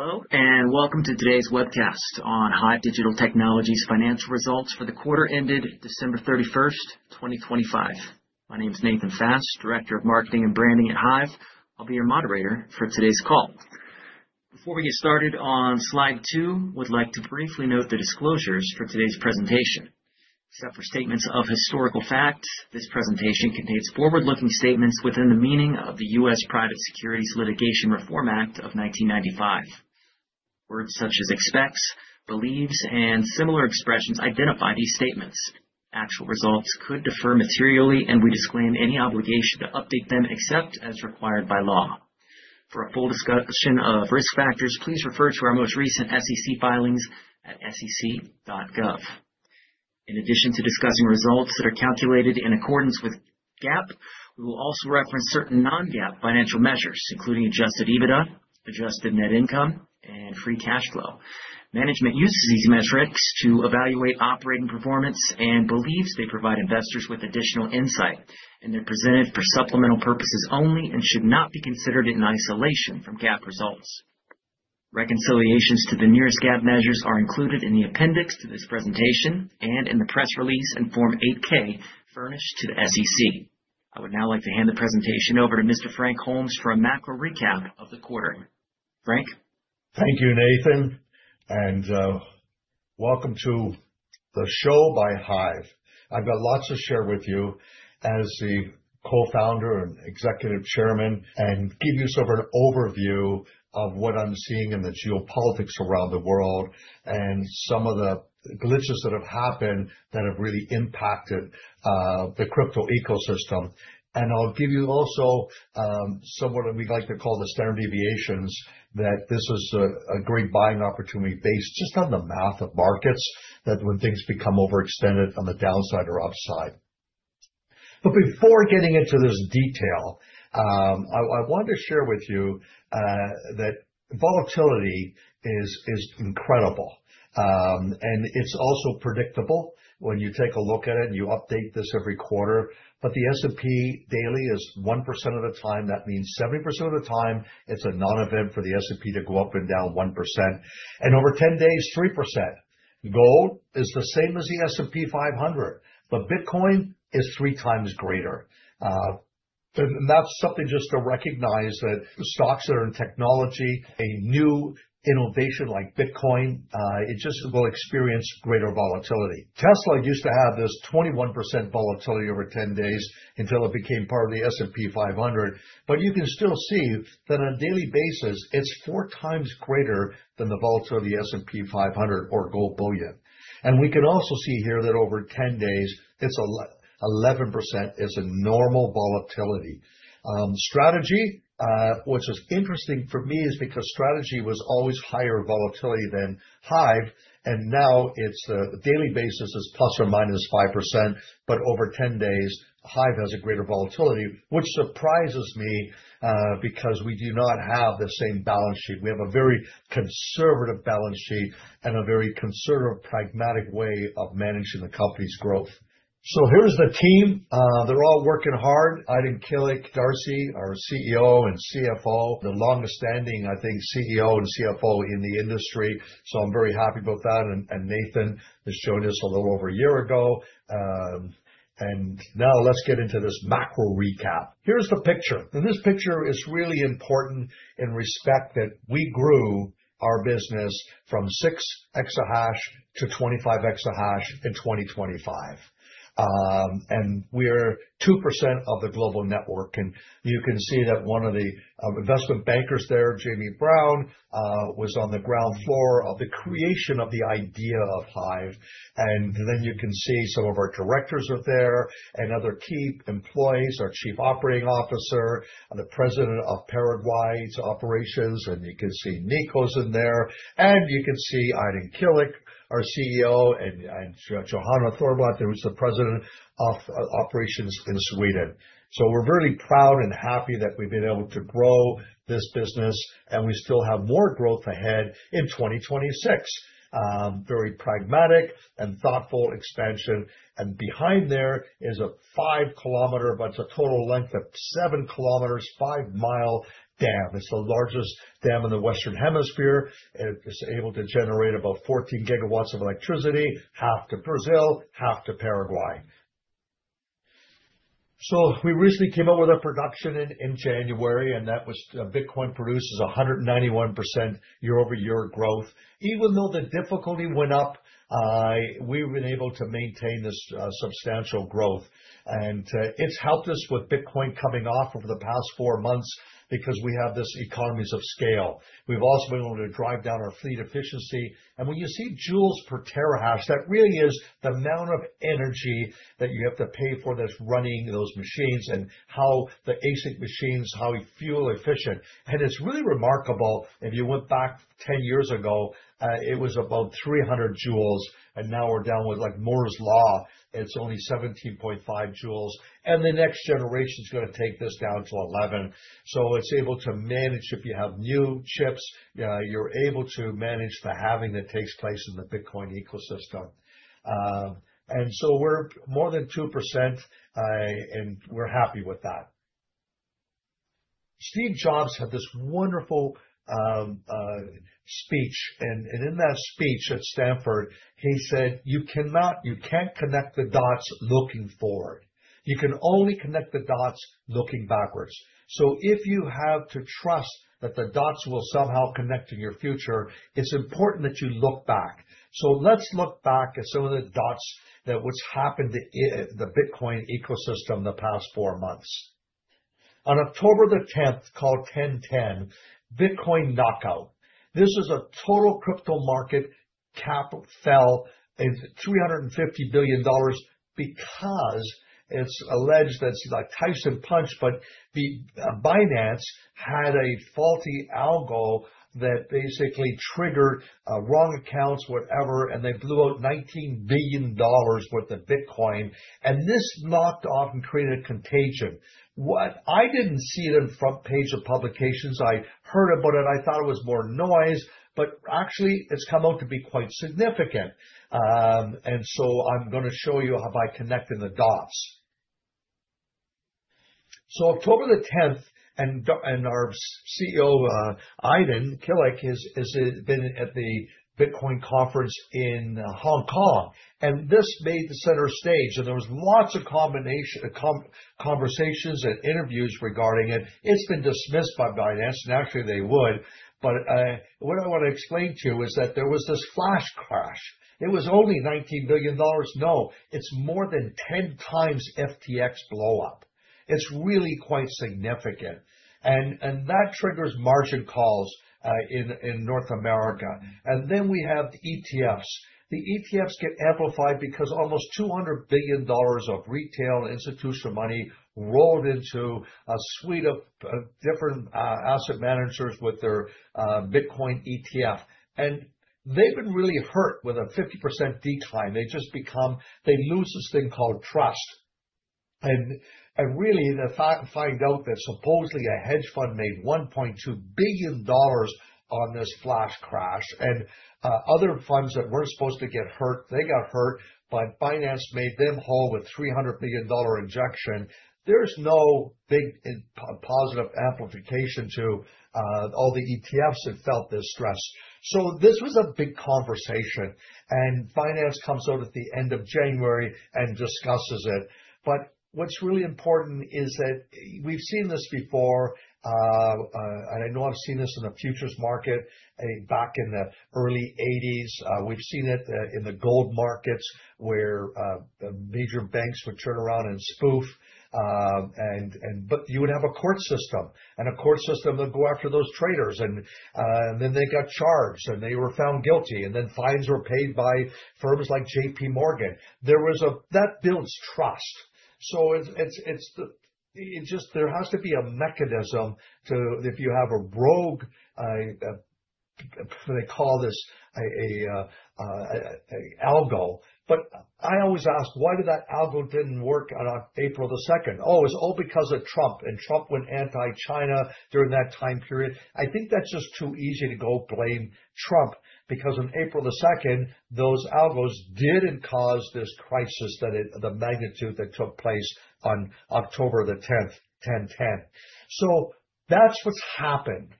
Hello, and welcome to today's webcast on HIVE Digital Technologies financial results for the quarter ended December 31st, 2025. My name is Nathan Fast, Director of Marketing and Branding at HIVE. I'll be your moderator for today's call. Before we get started on slide 2, would like to briefly note the disclosures for today's presentation. Except for statements of historical facts, this presentation contains forward-looking statements within the meaning of the U.S. Private Securities Litigation Reform Act of 1995. Words such as expects, believes, and similar expressions identify these statements. Actual results could differ materially, and we disclaim any obligation to update them except as required by law. For a full discussion of risk factors, please refer to our most recent SEC filings at sec.gov. In addition to discussing results that are calculated in accordance with GAAP, we will also reference certain non-GAAP financial measures, including Adjusted EBITDA, Adjusted Net Income, and Free Cash Flow. Management uses these metrics to evaluate operating performance and believes they provide investors with additional insight, and they're presented for supplemental purposes only and should not be considered in isolation from GAAP results. Reconciliations to the nearest GAAP measures are included in the appendix to this presentation and in the press release in Form 8-K furnished to the SEC. I would now like to hand the presentation over to Mr. Frank Holmes for a macro recap of the quarter. Frank? Thank you, Nathan, and, welcome to the show by HIVE. I've got lots to share with you as the Co-Founder and Executive Chairman, and give you sort of an overview of what I'm seeing in the geopolitics around the world and some of the glitches that have happened that have really impacted, the crypto ecosystem. And I'll give you also, somewhat of we like to call the standard deviations, that this is a great buying opportunity based just on the math of markets, that when things become overextended on the downside or upside. But before getting into this detail, I wanted to share with you, that volatility is incredible. And it's also predictable when you take a look at it, and you update this every quarter. But the S&P daily is 1% of the time. That means 70% of the time, it's a non-event for the S&P 500 to go up and down 1%, and over 10 days, 3%. Gold is the same as the S&P 500, but Bitcoin is 3x greater. And that's something just to recognize that stocks that are in technology, a new innovation like Bitcoin, it just will experience greater volatility. Tesla used to have this 21% volatility over 10 days until it became part of the S&P 500, but you can still see that on a daily basis, it's 4x greater than the volatility of the S&P 500 or gold bullion. And we can also see here that over 10 days, it's eleven percent is a normal volatility. Strategy, which is interesting for me, is because Strategy was always higher volatility than HIVE, and now it's, the daily basis is ±5%, but over 10 days, HIVE has a greater volatility, which surprises me, because we do not have the same balance sheet. We have a very conservative balance sheet and a very conservative, pragmatic way of managing the company's growth. So here's the team. They're all working hard. Aydin Kilic, Darcy, our CEO and CFO, the longest standing, I think, CEO and CFO in the industry, so I'm very happy about that. And Nathan has joined us a little over a year ago. And now let's get into this macro recap. Here's the picture, and this picture is really important in respect that we grew our business from 6 exahash to 25 exahash in 2025. And we are 2% of the global network, and you can see that one of the investment bankers there, Jamie Brown, was on the ground floor of the creation of the idea of Hive. And then you can see some of our directors are there and other key employees, our Chief Operating Officer and the President of Paraguay's operations, and you can see Nico's in there, and you can see Aydin Kilic, our CEO, and Johanna Thörnblad, who is the President of Operations in Sweden. So we're very proud and happy that we've been able to grow this business, and we still have more growth ahead in 2026. Very pragmatic and thoughtful expansion. And behind there is a 5-kilometer, but it's a total length of 7 kilometers, 5-mile dam. It's the largest dam in the Western Hemisphere, and it's able to generate about 14 gigawatts of electricity, half to Brazil, half to Paraguay. So we recently came up with our production in, in January, and that was, Bitcoin produces 191% year-over-year growth. Even though the difficulty went up, we've been able to maintain this substantial growth, and it's helped us with Bitcoin coming off over the past 4 months because we have this economies of scale. We've also been able to drive down our fleet efficiency. And when you see joules per terahash, that really is the amount of energy that you have to pay for that's running those machines and how the ASIC machines, how fuel efficient. And it's really remarkable. If you went back 10 years ago, it was about 300 joules, and now we're down with, like, Moore's Law, it's only 17.5 joules, and the next generation's gonna take this down to 11. So it's able to manage, if you have new chips, you're able to manage the halving that takes place in the Bitcoin ecosystem. And so we're more than 2%, and we're happy with that. Steve Jobs had this wonderful speech, and in that speech at Stanford, he said, "You cannot- you can't connect the dots looking forward. You can only connect the dots looking backwards. So if you have to trust that the dots will somehow connect in your future, it's important that you look back." So let's look back at some of the dots that happened in the Bitcoin ecosystem in the past four months. On October 10th, called 10/10, Bitcoin knockout. The total crypto market cap fell by $350 billion because it's alleged that it's like Tyson punch, but the Binance had a faulty algo that basically triggered wrong accounts, whatever, and they blew out $19 billion worth of Bitcoin, and this knocked off and created contagion. I didn't see it on the front page of publications. I heard about it. I thought it was more noise, but actually, it's come out to be quite significant. So I'm gonna show you how by connecting the dots. So October the tenth, and our CEO, Aydin Kilic, has been at the Bitcoin conference in Hong Kong, and this made the center stage, and there was lots of conversations and interviews regarding it. It's been dismissed by Binance, and actually they would, but what I wanna explain to you is that there was this flash crash. It was only $19 billion. No, it's more than 10x FTX blowup. It's really quite significant, and that triggers margin calls in North America. And then we have ETFs. The ETFs get amplified because almost $200 billion of retail institutional money rolled into a suite of different asset managers with their Bitcoin ETF. And they've been really hurt with a 50% decline. They just become, they lose this thing called trust. Really, the fact find out that supposedly a hedge fund made $1.2 billion on this flash crash, and other funds that weren't supposed to get hurt, they got hurt, but Binance made them whole with $300 billion injection. There's no big positive amplification to all the ETFs that felt this stress. So this was a big conversation, and Binance comes out at the end of January and discusses it. But what's really important is that we've seen this before, and I know I've seen this in the futures market back in the early 1980s. We've seen it in the gold markets, where the major banks would turn around and spoof, and but you would have a court system, and a court system would go after those traders, and then they got charged, and they were found guilty, and then fines were paid by firms like J.P. Morgan. There was that builds trust. So it's the it just there has to be a mechanism to, if you have a rogue, they call this a algo. But I always ask, why did that algo didn't work on April the second? Oh, it's all because of Trump, and Trump went anti-China during that time period. I think that's just too easy to go blame Trump, because on April the second, those algos didn't cause this crisis, that the magnitude that took place on October 10th, 10/10. So that's what's happened.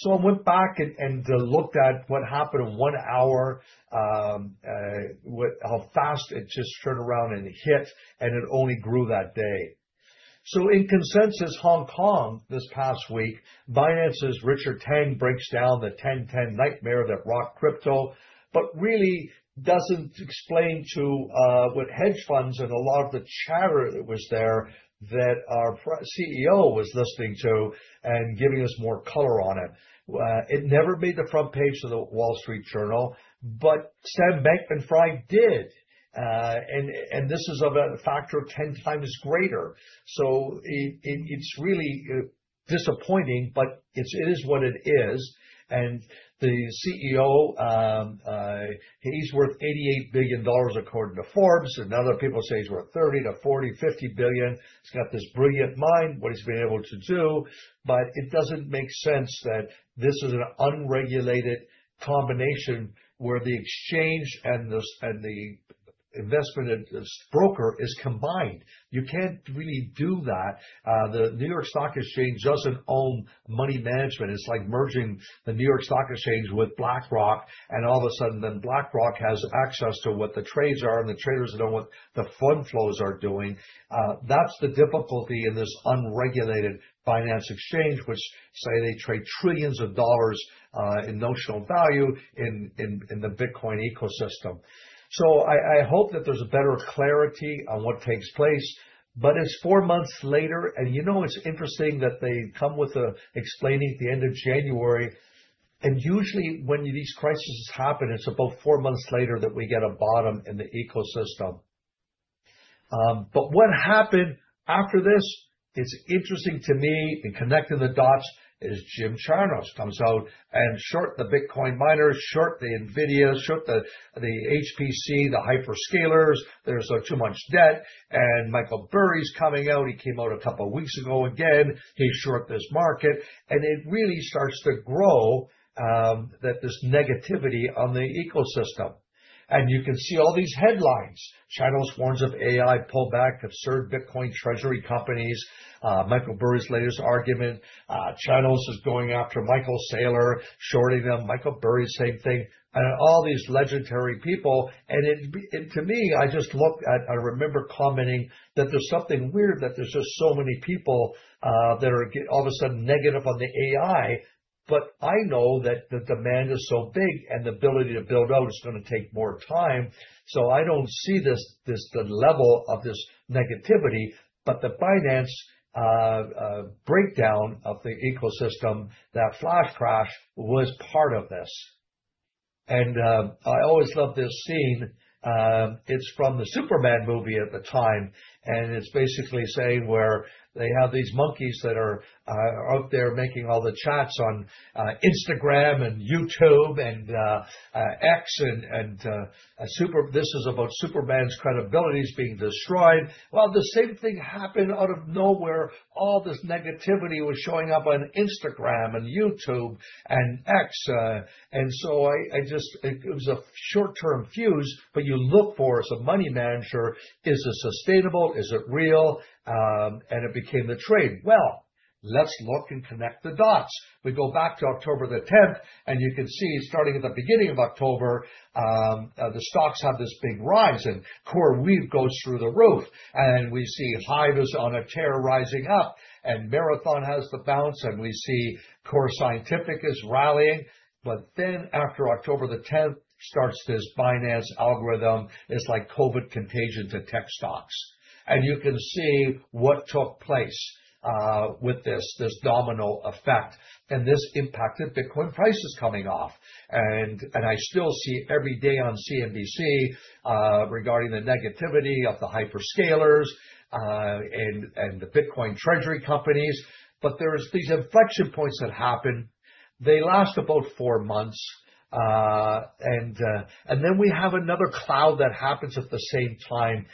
So I went back and looked at what happened in one hour, how fast it just turned around and hit, and it only grew that day. So in Consensus Hong Kong this past week, Binance's Richard Teng breaks down the 10-10 nightmare that rocked crypto, but really doesn't explain what hedge funds and a lot of the chatter that was there, that our CEO was listening to and giving us more color on it. It never made the front page of the Wall Street Journal, but Sam Bankman-Fried did. And this is of a factor of 10x greater. So it's really disappointing, but it is what it is. And the CEO, he's worth $88 billion according to Forbes, and other people say he's worth $30-$50 billion. He's got this brilliant mind, what he's been able to do, but it doesn't make sense that this is an unregulated combination where the exchange and the investment and broker is combined. You can't really do that. The New York Stock Exchange doesn't own money management. It's like merging the New York Stock Exchange with BlackRock, and all of a sudden, then BlackRock has access to what the trades are, and the traders know what the fund flows are doing. That's the difficulty in this unregulated finance exchange, which say they trade trillions of dollars in notional value in the Bitcoin ecosystem. So I hope that there's a better clarity on what takes place, but it's four months later, and you know, it's interesting that they come with a explaining at the end of January, and usually when these crises happen, it's about four months later that we get a bottom in the ecosystem. But what happened after this, it's interesting to me in connecting the dots, is Jim Chanos comes out and short the Bitcoin miners, short the NVIDIA, short the, the HPC, the hyperscalers. There's too much debt, and Michael Burry's coming out. He came out a couple of weeks ago again. He short this market, and it really starts to grow that there's negativity on the ecosystem. And you can see all these headlines. "Chanos warns of AI pullback, absurd Bitcoin treasury companies." Michael Burry's latest argument. Chanos is going after Michael Saylor, shorting him. Michael Burry, same thing, and all these legendary people. And to me, I just look at—I remember commenting that there's something weird, that there's just so many people that are all of a sudden negative on the AI. But I know that the demand is so big, and the ability to build out is gonna take more time, so I don't see this, this, the level of this negativity. But the finance breakdown of the ecosystem, that flash crash was part of this. And I always love this scene. It's from the Superman movie at the time, and it's basically saying where they have these monkeys that are out there making all the chats on Instagram and YouTube and X and Super- this is about Superman's credibility is being destroyed. Well, the same thing happened out of nowhere. All this negativity was showing up on Instagram and YouTube and X. And so I just, It was a short-term fuse, but you look for, as a money manager, is this sustainable? Is it real? And it became the trade. Well, let's look and connect the dots. We go back to October 10th, and you can see, starting at the beginning of October, the stocks have this big rise, and CoreWeave goes through the roof, and we see HIVE is on a tear rising up, and Marathon has the bounce, and we see Core Scientific is rallying. But then, after October 10th, starts this finance algorithm. It's like COVID contagion to tech stocks. And you can see what took place, with this, this domino effect, and this impacted Bitcoin prices coming off. And I still see every day on CNBC, regarding the negativity of the hyperscalers, and the Bitcoin treasury companies. But there is these inflection points that happen. They last about 4 months. And then we have another cloud that happens at the same time.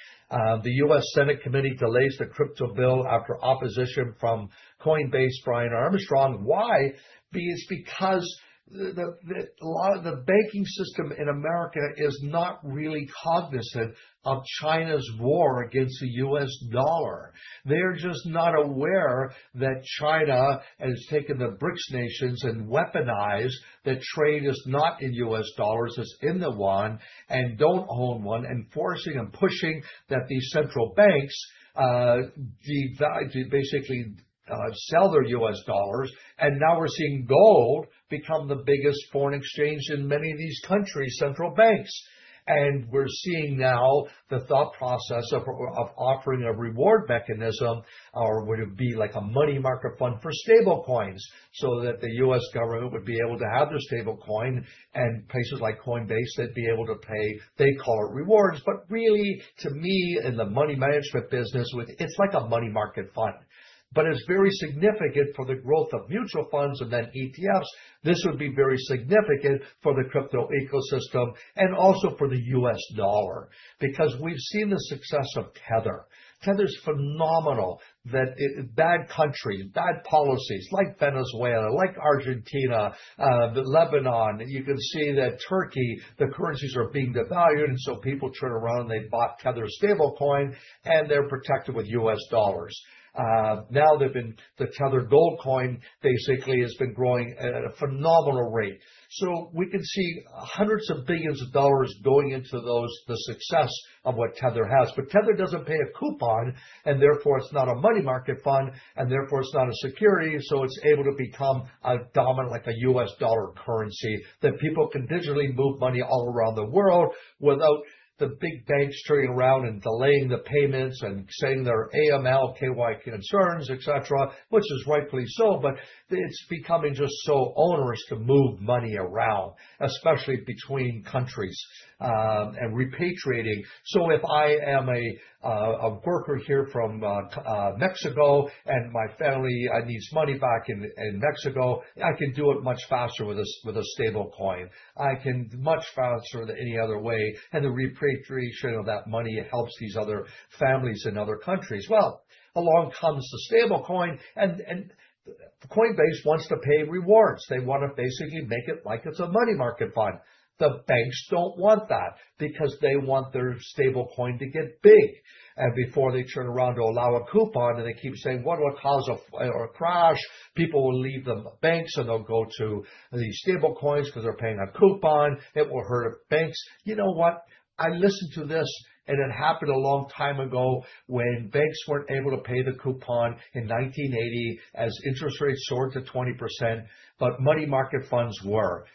The U.S. Senate committee delays the crypto bill after opposition from Coinbase's Brian Armstrong. Why? It's because a lot of the banking system in America is not really cognizant of China's war against the U.S. dollar. They're just not aware that China has taken the BRICS nations and weaponized that trade is not in U.S. dollars, it's in the yuan, and don't own one, and forcing and pushing that these central banks devalue to basically sell their U.S. dollars. And now we're seeing gold become the biggest foreign exchange in many of these countries' central banks. We're seeing now the thought process of, of offering a reward mechanism, or would it be like a money market fund for stablecoins, so that the U.S. government would be able to have their stablecoin, and places like Coinbase, they'd be able to pay, they call it rewards. But really, to me, in the money management business, with—it's like a money market fund. But it's very significant for the growth of mutual funds and then ETFs. This would be very significant for the crypto ecosystem and also for the U.S. dollar, because we've seen the success of Tether. Tether's phenomenal, that it—bad countries, bad policies, like Venezuela, like Argentina, Lebanon, you can see that Turkey, the currencies are being devalued, and so people turn around and they bought Tether stablecoin, and they're protected with U.S. dollars. Now they've been, the Tether gold coin basically has been growing at a phenomenal rate. So we can see hundreds of billions of dollars going into those, the success of what Tether has. But Tether doesn't pay a coupon, and therefore it's not a money market fund, and therefore it's not a security, so it's able to become a dominant, like a U.S. dollar currency, that people can digitally move money all around the world without the big banks turning around and delaying the payments and saying there are AML, KYC concerns, etc., which is rightfully so. But it's becoming just so onerous to move money around, especially between countries, and repatriating. So if I am a worker here from Mexico and my family needs money back in Mexico, I can do it much faster with a stablecoin. I can much faster than any other way, and the repatriation of that money helps these other families in other countries. Well, along comes the stablecoin, and Coinbase wants to pay rewards. They want to basically make it like it's a money market fund. The banks don't want that because they want their stablecoin to get big. And before they turn around to allow a coupon, and they keep saying, "Well, it'll cause a crash. People will leave the banks, and they'll go to these stablecoins because they're paying a coupon. It will hurt banks." You know what? I listened to this, and it happened a long time ago when banks weren't able to pay the coupon in 1980 as interest rates soared to 20%, but money market funds were.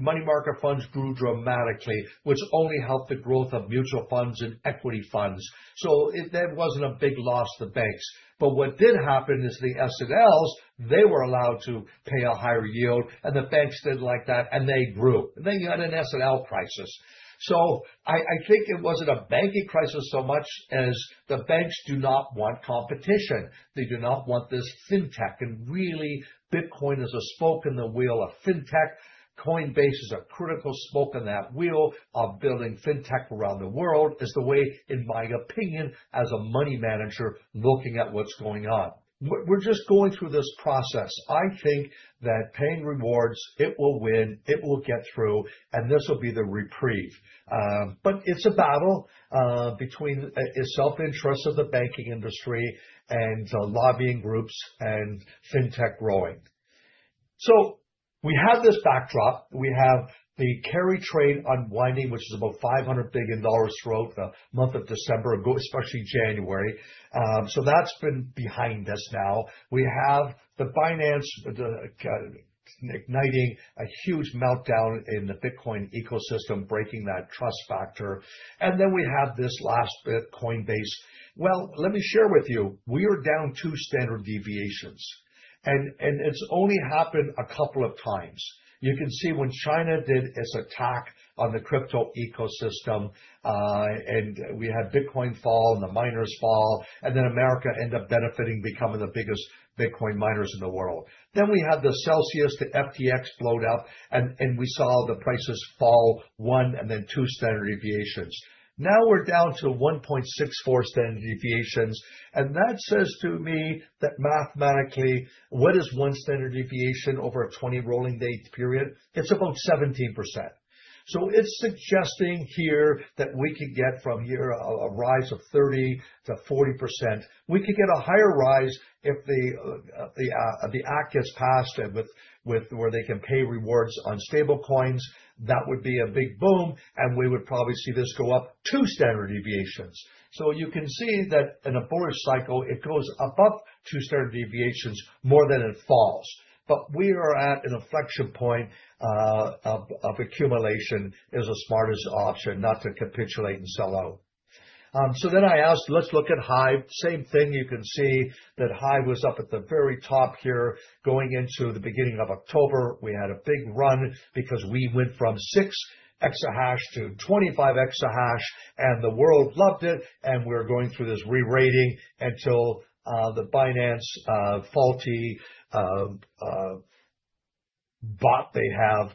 Money market funds grew dramatically, which only helped the growth of mutual funds and equity funds. So that wasn't a big loss to banks. But what did happen is the S&Ls, they were allowed to pay a higher yield, and the banks didn't like that, and they grew. Then you had an S&L crisis. So I think it wasn't a banking crisis so much as the banks do not want competition. They do not want this fintech, and really Bitcoin is a spoke in the wheel of fintech. Coinbase is a critical spoke in that wheel of building fintech around the world, is the way, in my opinion, as a money manager, looking at what's going on. We're just going through this process. I think that paying rewards, it will win, it will get through, and this will be the reprieve. But it's a battle between the self-interest of the banking industry and the lobbying groups and fintech growing. So we have this backdrop. We have the carry trade unwinding, which is about $500 billion throughout the month of December, especially January. So that's been behind us now. We have the finance, the igniting a huge meltdown in the Bitcoin ecosystem, breaking that trust factor. And then we have this last bit, Coinbase. Well, let me share with you, we are down two standard deviations, and, and it's only happened a couple of times. You can see when China did its attack on the crypto ecosystem, and we had Bitcoin fall and the miners fall, and then America end up benefiting, becoming the biggest Bitcoin miners in the world. Then we had the Celsius, the FTX blowup, and we saw the prices fall 1 and then 2 standard deviations. Now we're down to 1.64 standard deviations, and that says to me that mathematically, what is 1 standard deviation over a 20 rolling date period? It's about 17%. So it's suggesting here that we could get from here a rise of 30%-40%. We could get a higher rise if the act gets passed, and with where they can pay rewards on stablecoins, that would be a big boom, and we would probably see this go up 2 standard deviations. So you can see that in a bullish cycle, it goes above 2 standard deviations more than it falls. But we are at an inflection point of accumulation is the smartest option, not to capitulate and sell out. So then I asked, let's look at HIVE. Same thing, you can see that HIVE was up at the very top here. Going into the beginning of October, we had a big run because we went from 6 exahash to 25 exahash, and the world loved it, and we're going through this re-rating until the Binance faulty bot they have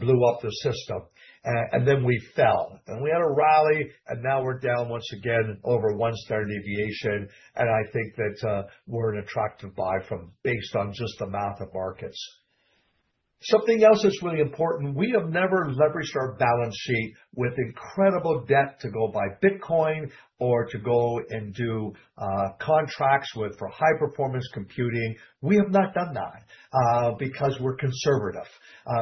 blew up their system. And then we fell, and we had a rally, and now we're down once again over 1 standard deviation, and I think that we're an attractive buy from based on just the math of markets. Something else that's really important, we have never leveraged our balance sheet with incredible debt to go buy Bitcoin or to go and do contracts with for high-performance computing. We have not done that because we're conservative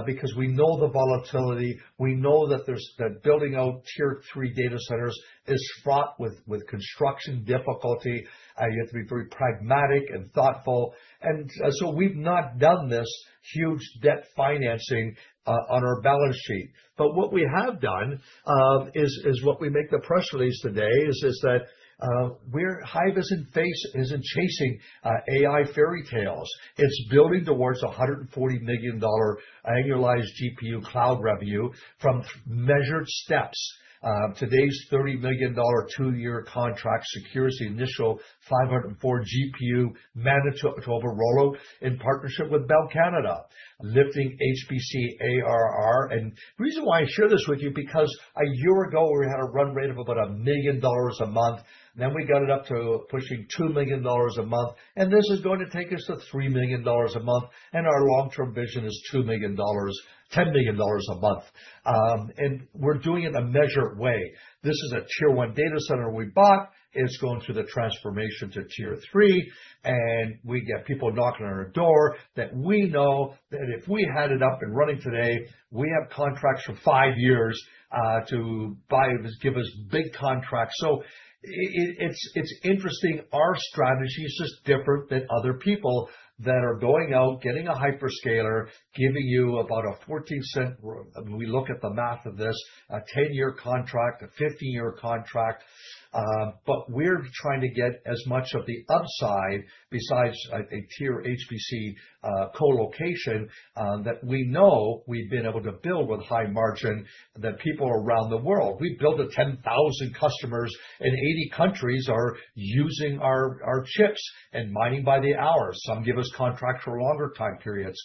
because we know the volatility, we know that there's that building out Tier-III data centers is fraught with construction difficulty, you have to be very pragmatic and thoughtful. So we've not done this huge debt financing on our balance sheet. But what we have done is what we make the press release today is that we're HIVE isn't face isn't chasing AI fairytales. It's building towards $140 million annualized GPU cloud revenue from measured steps. Today's $30 million 2-year contract secures the initial 504 GPU Manitoba rollover in partnership with Bell Canada, lifting HPC ARR. The reason why I share this with you, because a year ago, we had a run rate of about $1 million a month. Then we got it up to pushing $2 million a month, and this is going to take us to $3 million a month, and our long-term vision is $2 million-$10 million a month. And we're doing it in a measured way. This is a Tier-I data center we bought. It's going through the transformation to Tier-III, and we get people knocking on our door that we know that if we had it up and running today, we have contracts for 5 years to buy and just give us big contracts. So it's interesting. Our strategy is just different than other people that are going out, getting a hyperscaler, giving you about a $0.14. We look at the math of this, a 10-year contract, a 15-year contract, but we're trying to get as much of the upside besides, I think, Tier HPC colocation, that we know we've been able to build with high margin than people around the world. We've built 10,000 customers in 80 countries are using our, our chips and mining by the hour. Some give us contracts for longer time periods.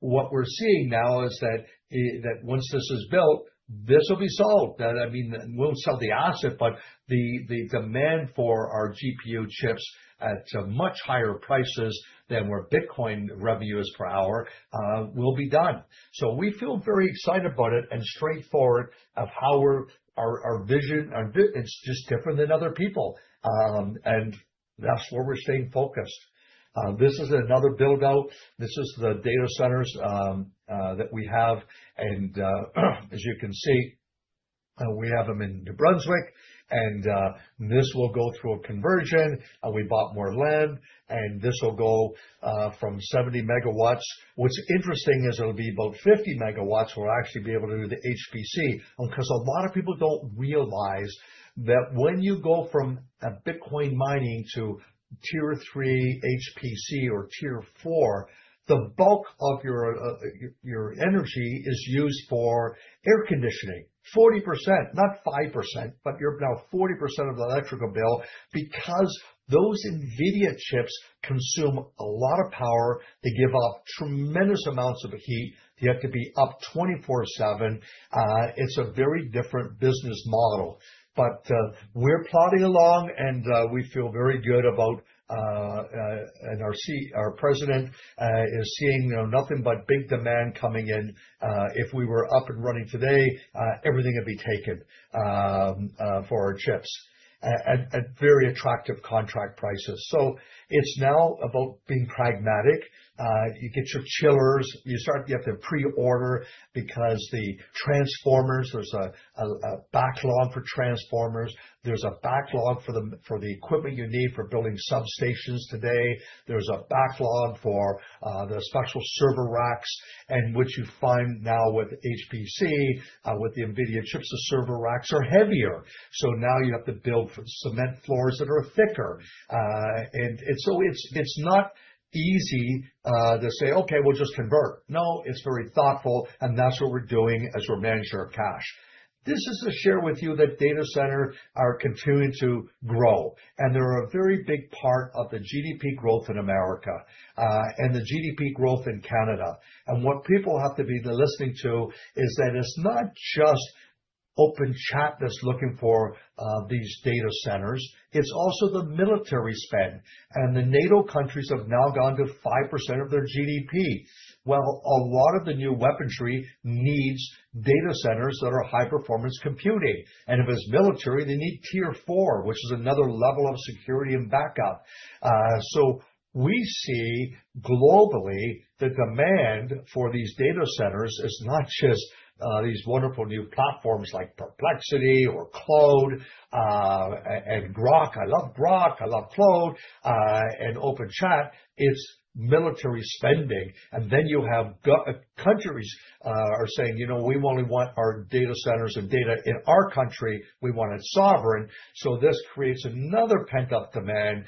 What we're seeing now is that once this is built, this will be sold. That, I mean, we'll sell the asset, but the demand for our GPU chips at a much higher prices than where Bitcoin revenue is per hour, will be done. So we feel very excited about it and straightforward of how our vision, it's just different than other people. And that's where we're staying focused. This is another build-out. This is the data centers that we have. And, as you can see, we have them in New Brunswick, and this will go through a conversion, and we bought more land, and this will go from 70 MW. What's interesting is it'll be about 50 MW, we'll actually be able to do the HPC. 'Cause a lot of people don't realize that when you go from a Bitcoin mining to Tier-III HPC or Tier-IV, the bulk of your your energy is used for air conditioning. 40%, not 5%, but you're now 40% of the electrical bill because those NVIDIA chips consume a lot of power. They give off tremendous amounts of heat. They have to be up 24/7. It's a very different business model, but we're plodding along, and we feel very good about, and our President is seeing, you know, nothing but big demand coming in. If we were up and running today, everything would be taken for our chips at very attractive contract prices. So it's now about being pragmatic. You get your chillers, you start—you have to pre-order because the transformers, there's a, a, a backlog for transformers. There's a backlog for the, for the equipment you need for building substations today. There's a backlog for, the special server racks, and what you find now with HPC, with the NVIDIA chips, the server racks are heavier. So now you have to build cement floors that are thicker. And so it's, it's not easy, to say, "Okay, we'll just convert." No, it's very thoughtful, and that's what we're doing as we're managing our cash. This is to share with you that data center are continuing to grow, and they're a very big part of the GDP growth in America, and the GDP growth in Canada. And what people have to be listening to is that it's not just OpenChat that's looking for these data centers, it's also the military spend. And the NATO countries have now gone to 5% of their GDP. Well, a lot of the new weaponry needs data centers that are high-performance computing, and if it's military, they need Tier-IV, which is another level of security and backup. So we see globally, the demand for these data centers is not just these wonderful new platforms like Perplexity or Claude, and Grok. I love Grok, I love Claude, and OpenChat. It's military spending. And then you have countries are saying, "You know, we only want our data centers and data in our country. We want it sovereign." So this creates another pent-up demand.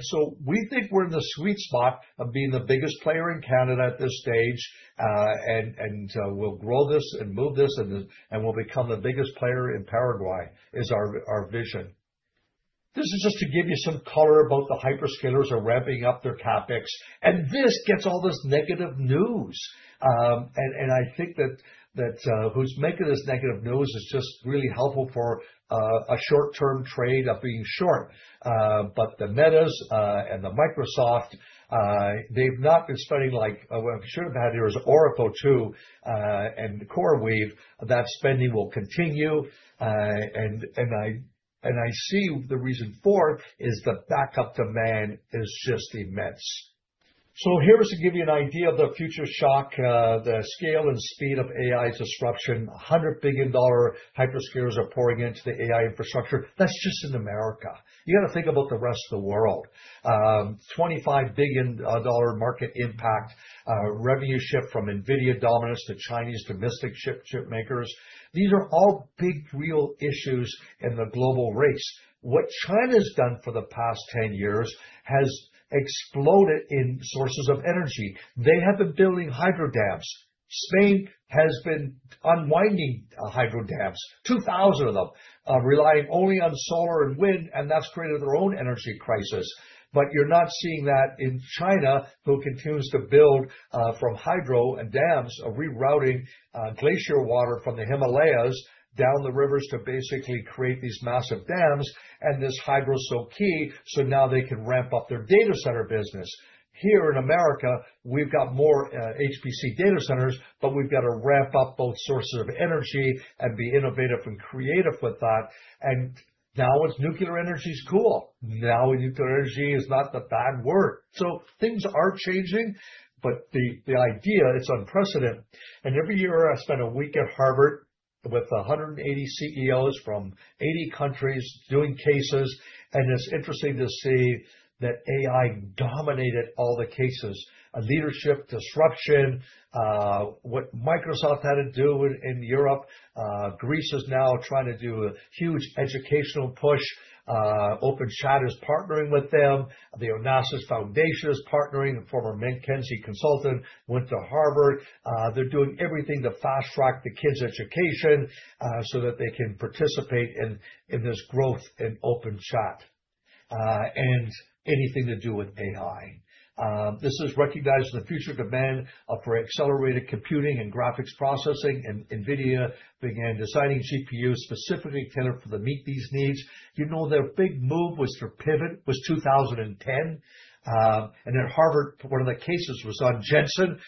So we think we're in the sweet spot of being the biggest player in Canada at this stage. We'll grow this and move this, and we'll become the biggest player in Paraguay. That's our vision. This is just to give you some color about the hyperscalers are ramping up their CapEx, and this gets all this negative news. I think that who's making this negative news is just really helpful for a short-term trade of being short. But the Meta and the Microsoft, they've not been spending like, well, I should have had here is Oracle, too, and CoreWeave. That spending will continue. I see the reason for is the backup demand is just immense. So here is to give you an idea of the future shock, the scale and speed of AI disruption. $100 billion hyperscalers are pouring into the AI infrastructure. That's just in America. You gotta think about the rest of the world. $25 billion market impact, revenue shift from NVIDIA dominance to Chinese domestic chip makers. These are all big, real issues in the global race. What China's done for the past 10 years has exploded in sources of energy. They have been building hydro dams. Spain has been unwinding hydro dams, 2,000 of them, relying only on solar and wind, and that's created their own energy crisis. But you're not seeing that in China, who continues to build from hydro and dams, rerouting glacier water from the Himalayas down the rivers to basically create these massive dams, and this hydro is so key, so now they can ramp up their data center business. Here in America, we've got more HPC data centers, but we've got to ramp up both sources of energy and be innovative and creative with that. And now it's nuclear energy is cool. Now, nuclear energy is not the bad word. So things are changing, but the idea, it's unprecedented. And every year, I spend a week at Harvard with 180 CEOs from 80 countries doing cases, and it's interesting to see that AI dominated all the cases. A leadership disruption, what Microsoft had to do in Europe. Greece is now trying to do a huge educational push. OpenAI is partnering with them. The Onassis Foundation is partnering. A former McKinsey consultant went to Harvard. They're doing everything to fast-track the kids' education, so that they can participate in this growth in OpenAI and anything to do with AI. This is recognizing the future demand for accelerated computing and graphics processing, and NVIDIA began designing GPUs specifically tailored for to meet these needs. You know, their big move was their pivot, was 2010, and at Harvard, one of the cases was on Jensen.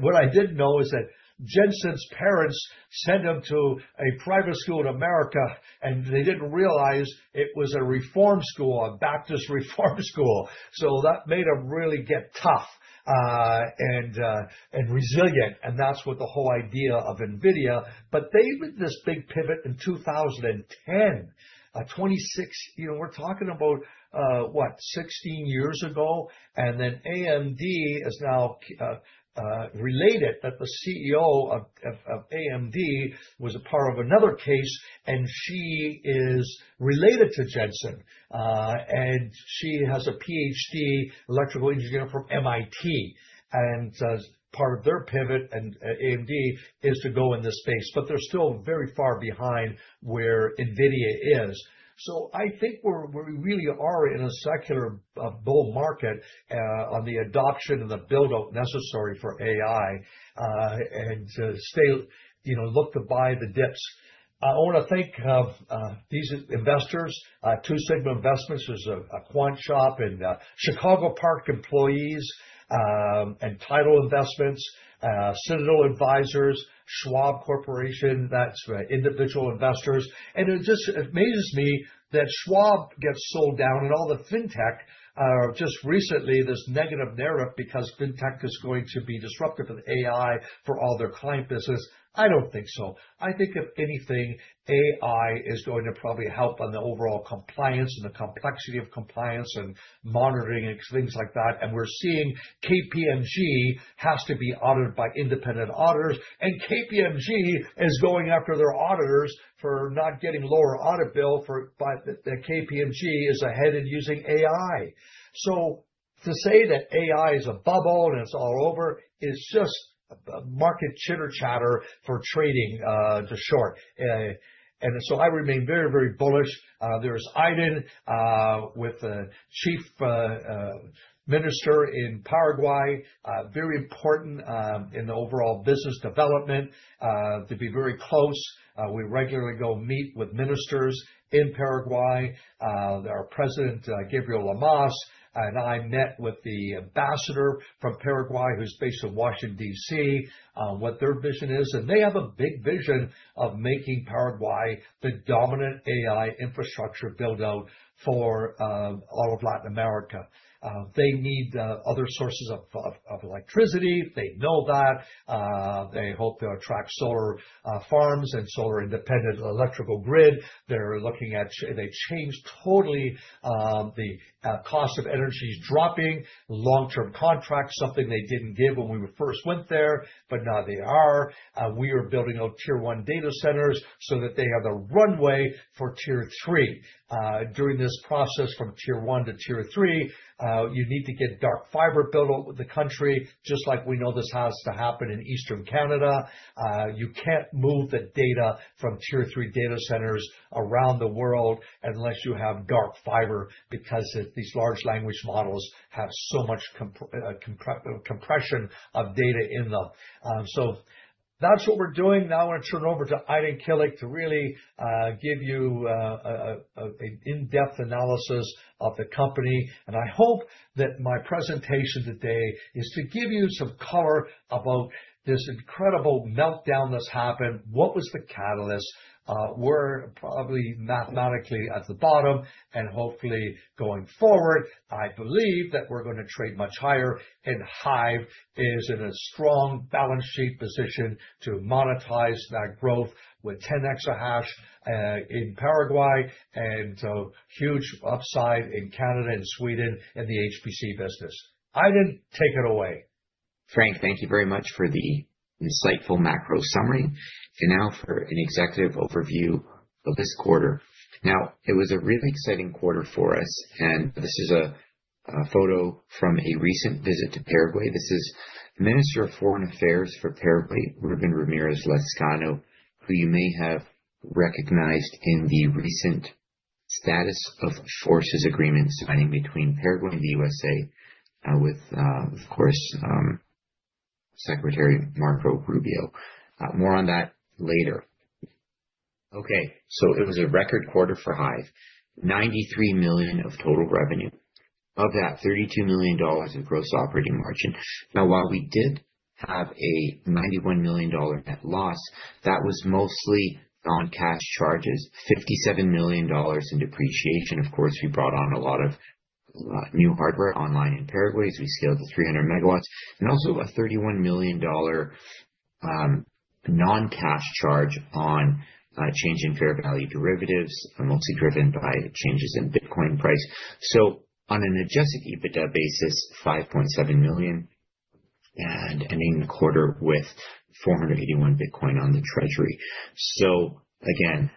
What I didn't know is that Jensen's parents sent him to a private school in America, and they didn't realize it was a reform school, a Baptist reform school. So that made him really get tough, and resilient, and that's what the whole idea of NVIDIA. But they made this big pivot in 2010. 2026, you know, we're talking about, what? 16 years ago, and then AMD is now related, but the CEO of AMD was a part of another case, and she is related to Jensen. And she has a PhD electrical engineering from MIT, and as part of their pivot, and AMD is to go in this space, but they're still very far behind where NVIDIA is. So I think we're, we really are in a secular bull market on the adoption and the build-out necessary for AI, and to stay, you know, look to buy the dips. I want to thank these investors. Two Sigma Investments is a quant shop, and Chicago Park employees, and Tidal Investments, Citadel Advisors, Schwab Corporation, that's individual investors. And it just amazes me that Schwab gets sold down and all the fintech, just recently, this negative narrative, because fintech is going to be disruptive in AI for all their client business. I don't think so. I think if anything, AI is going to probably help on the overall compliance and the complexity of compliance and monitoring and things like that. And we're seeing KPMG has to be audited by independent auditors, and KPMG is going after their auditors for not getting lower audit bill. KPMG is ahead in using AI. So to say that AI is a bubble and it's all over, is just market chitter chatter for trading, to short. So I remain very, very bullish. There's Aydin with the chief minister in Paraguay, very important in the overall business development to be very close. We regularly go meet with ministers in Paraguay. Our president, Gabriel Lamas, and I met with the ambassador from Paraguay, who's based in Washington, D.C., on what their vision is, and they have a big vision of making Paraguay the dominant AI infrastructure build-out for all of Latin America. They need other sources of electricity. They know that. They hope to attract solar farms and solar independent electrical grid. They're looking at change—they changed totally the cost of energy is dropping. Long-term contracts, something they didn't give when we first went there, but now they are. We are building out Tier-I data centers so that they have a runway for Tier-III. During this process from Tier-I to Tier-III, you need to get dark fiber built over the country, just like we know this has to happen in Eastern Canada. You can't move the data from Tier-III data centers around the world unless you have dark fiber, because these large language models have so much compression of data in them. So that's what we're doing. Now, I want to turn it over to Aydin Kilic to really give you an in-depth analysis of the company. I hope that my presentation today is to give you some color about this incredible meltdown that's happened. What was the catalyst? We're probably mathematically at the bottom, and hopefully, going forward, I believe that we're gonna trade much higher, and HIVE is in a strong balance sheet position to monetize that growth with 10 exahash in Paraguay, and so huge upside in Canada and Sweden in the HPC business. Aydin, take it away. Frank, thank you very much for the insightful macro summary. Now for an executive overview of this quarter. It was a really exciting quarter for us, and this is a photo from a recent visit to Paraguay. This is Minister of Foreign Affairs for Paraguay, Rubén Ramírez Lezcano, who you may have recognized in the recent Status of Forces Agreement signing between Paraguay and the USA, with, of course, Secretary Marco Rubio. More on that later. Okay, so it was a record quarter for HIVE, $93 million of total revenue. Of that, $32 million in gross operating margin. Now, while we did have a $91 million net loss, that was mostly non-cash charges, $57 million in depreciation. Of course, we brought on a lot of new hardware online in Paraguay, as we scaled to 300 MW, and also a $31 million non-cash charge on change in fair value derivatives, mostly driven by changes in Bitcoin price. So on an adjusted EBITDA basis, $5.7 million, and ending the quarter with 481 Bitcoin on the treasury. So again,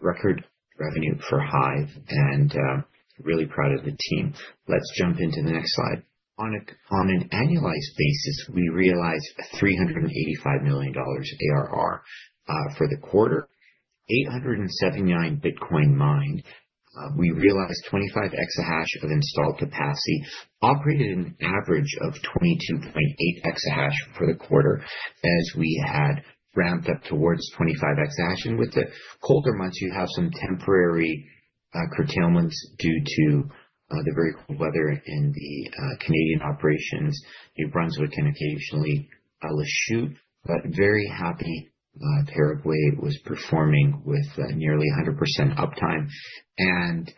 record revenue for Hive and really proud of the team. Let's jump into the next slide. On an annualized basis, we realized $385 million ARR for the quarter. 879 Bitcoin mined. We realized 25 exahash of installed capacity, operated an average of 22.8 exahash for the quarter as we had ramped up towards 25 exahash. With the colder months, you have some temporary, curtailments due to, the very cold weather in the, Canadian operations. New Brunswick can occasionally, Lachute, but very happy, Paraguay was performing with, nearly 100% uptime. And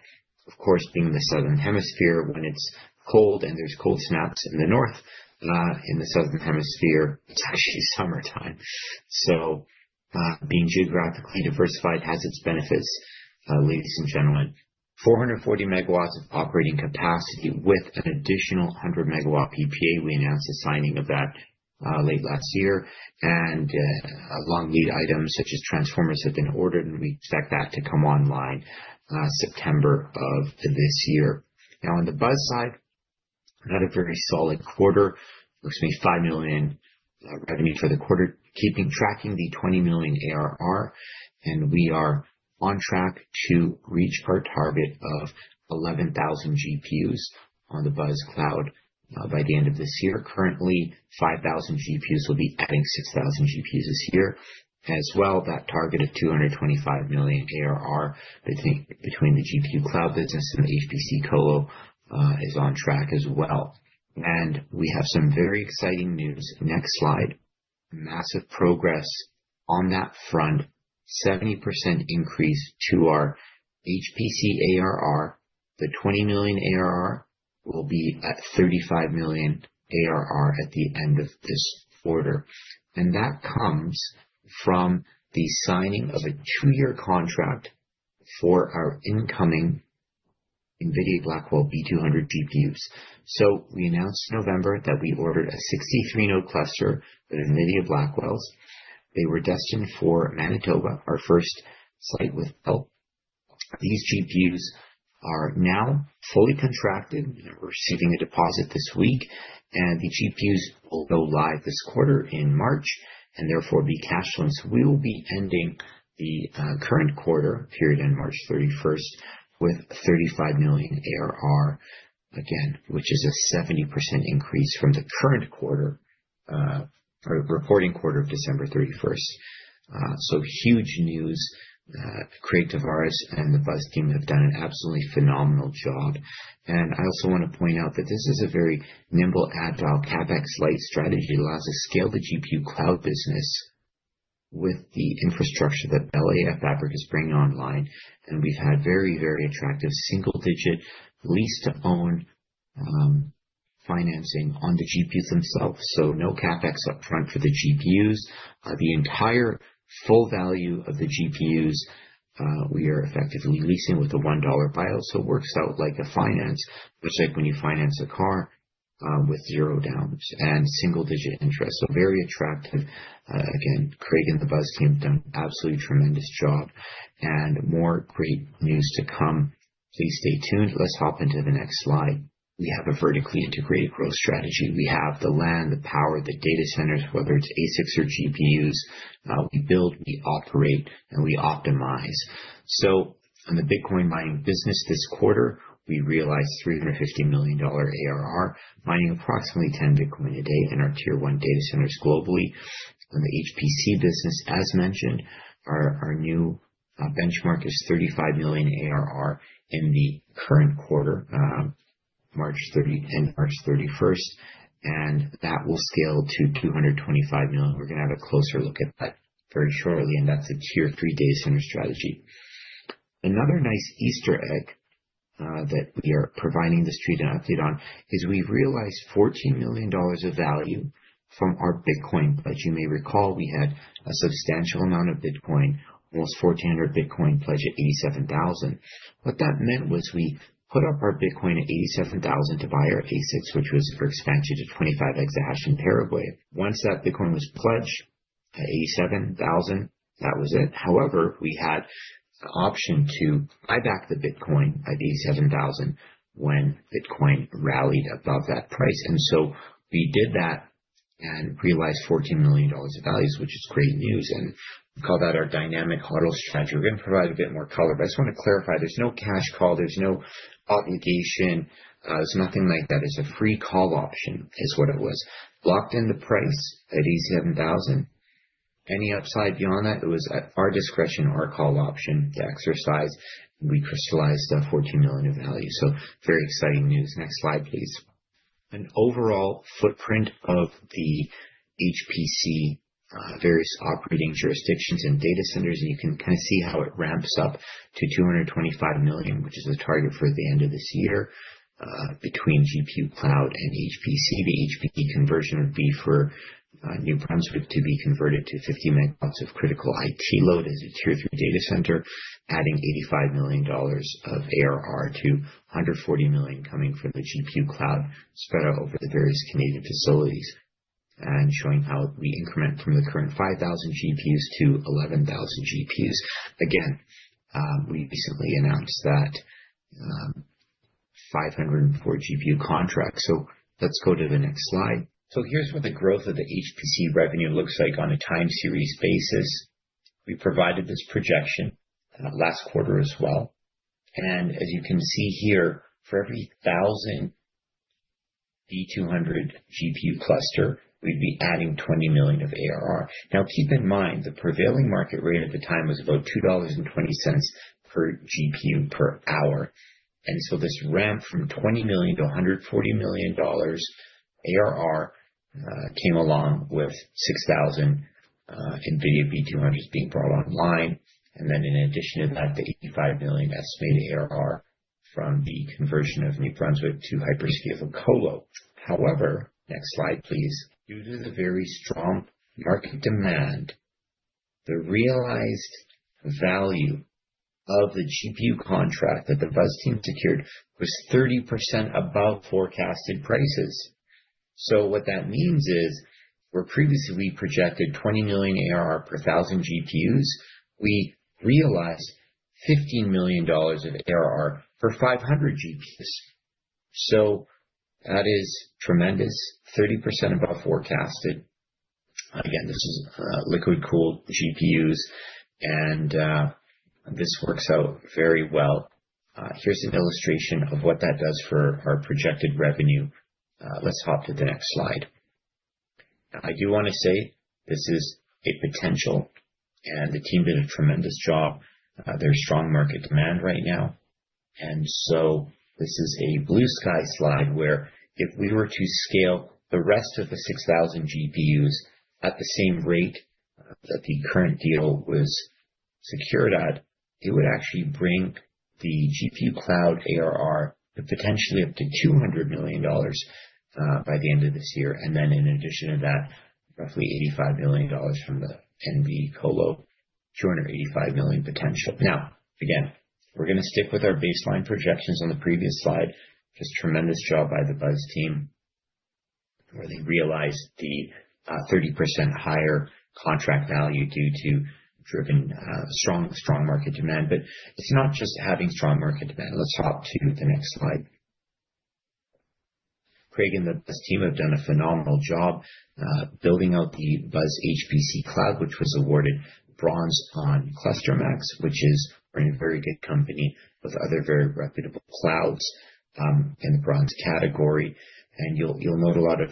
of course, being in the southern hemisphere when it's cold and there's cold snaps in the north, in the southern hemisphere, it's actually summertime. So, being geographically diversified has its benefits, ladies and gentlemen. 440 MW of operating capacity with an additional 100 MW PPA. We announced the signing of that, late last year, and, long lead items such as transformers have been ordered, and we expect that to come online, September of this year. Now, on the Buzz side, another very solid quarter, with $5 million revenue for the quarter, keeping track of the $20 million ARR, and we are on track to reach our target of 11,000 GPUs on the Buzz cloud by the end of this year. Currently, 5,000 GPUs, we'll be adding 6,000 GPUs this year. As well, that target of $225 million ARR, I think between the GPU cloud business and the HPC colo, is on track as well. And we have some very exciting news. Next slide. Massive progress on that front. 70% increase to our HPC ARR. The $20 million ARR will be at $35 million ARR at the end of this quarter, and that comes from the signing of a two-year contract for our incoming NVIDIA Blackwell B200 GPUs. So we announced in November that we ordered a 63-node cluster with NVIDIA Blackwells. They were destined for Manitoba, our first site with Bell. These GPUs are now fully contracted. We're receiving a deposit this week, and the GPUs will go live this quarter in March, and therefore, be cashless. We will be ending the current quarter, period end March 31, with $35 million ARR, again, which is a 70% increase from the current quarter, or reporting quarter of December 31. So huge news. Craig Tavares and the Buzz team have done an absolutely phenomenal job. And I also want to point out that this is a very nimble, agile, CapEx light strategy that allows us to scale the GPU cloud business with the infrastructure that Bell AI Fabric is bringing online. And we've had very, very attractive single digit lease to own, financing on the GPUs themselves. So no CapEx up front for the GPUs. The entire full value of the GPUs, we are effectively leasing with a $1 buyout. So it works out like a finance, much like when you finance a car, with zero down and single digit interest. So very attractive. Again, Craig and the Buzz team have done an absolutely tremendous job, and more great news to come. Please stay tuned. Let's hop into the next slide. We have a vertically integrated growth strategy. We have the land, the power, the data centers, whether it's ASICs or GPUs, we build, we operate, and we optimize. So on the Bitcoin mining business this quarter, we realized $350 million ARR, mining approximately 10 Bitcoin a day in our Tier-I data centers globally. In the HPC business, as mentioned, our, our new benchmark is $35 million ARR in the current quarter, March 30, end March 31st, and that will scale to $225 million. We're going to have a closer look at that very shortly, and that's a Tier-III data center strategy. Another nice easter egg that we are providing the street an update on is we realized $14 million of value from our Bitcoin. As you may recall, we had a substantial amount of Bitcoin, almost 1,400 Bitcoin pledged at $87,000. What that meant was we put up our Bitcoin at $87,000 to buy our ASICs, which was for expansion to 25 exahash in Paraguay. Once that Bitcoin was pledged at $87,000, that was it. However, we had the option to buy back the Bitcoin at $87,000 when Bitcoin rallied above that price. And so we did that and realized $14 million of values, which is great news, and we call that our dynamic HODL strategy. We're going to provide a bit more color, but I just want to clarify, there's no cash call, there's no obligation, there's nothing like that. It's a free call option, is what it was. Locked in the price at $87,000. Any upside beyond that, it was at our discretion, our call option to exercise, and we crystallized the $14 million of value. So very exciting news. Next slide, please. A overall footprint of the HPC, various operating jurisdictions and data centers, and you can kind of see how it ramps up to $225 million, which is the target for the end of this year. Between GPU cloud and HPC, the HPC conversion would be for New Brunswick to be converted to 50 MW of critical IT load as a Tier-III data center, adding $85 million of ARR to $140 million coming from the GPU cloud spread out over the various Canadian facilities, and showing how we increment from the current 5,000 GPUs to 11,000 GPUs. Again, we recently announced that 504 GPU contract. So let's go to the next slide. So here's what the growth of the HPC revenue looks like on a time series basis. We provided this projection last quarter as well, and as you can see here, for every 1,000 V200 GPU cluster, we'd be adding $20 million of ARR. Now, keep in mind, the prevailing market rate at the time was about $2.20 per GPU per hour, and so this ramp from $20 million to $140 million ARR came along with 6,000 NVIDIA V200s being brought online. And then in addition to that, the $85 million estimated ARR from the conversion of New Brunswick to hyperscale and colo. However, next slide, please. Due to the very strong market demand, the realized value of the GPU contract that the Buzz team secured was 30% above forecasted prices. So what that means is, where previously we projected 20 million ARR per 1,000 GPUs, we realized $15 million of ARR for 500 GPUs. So that is tremendous, 30% above forecasted. Again, this is, liquid-cooled GPUs, and, this works out very well. Here's an illustration of what that does for our projected revenue. Let's hop to the next slide. I do want to say this is a potential, and the team did a tremendous job. There's strong market demand right now, and so this is a blue sky slide, where if we were to scale the rest of the 6,000 GPUs at the same rate that the current deal was secured at, it would actually bring the GPU cloud ARR to potentially up to $200 million, by the end of this year. And then in addition to that, roughly $85 million from the NVIDIA Colocation, $285 million potential. Now, again, we're going to stick with our baseline projections on the previous slide. Just tremendous job by the Buzz team, where they realized the 30% higher contract value due to driven strong strong market demand. But it's not just having strong market demand. Let's hop to the next slide. Craig and the Buzz team have done a phenomenal job building out the Buzz HPC cloud, which was awarded bronze on ClusterMax, which is we're in very good company with other very reputable clouds in the bronze category. And you'll note a lot of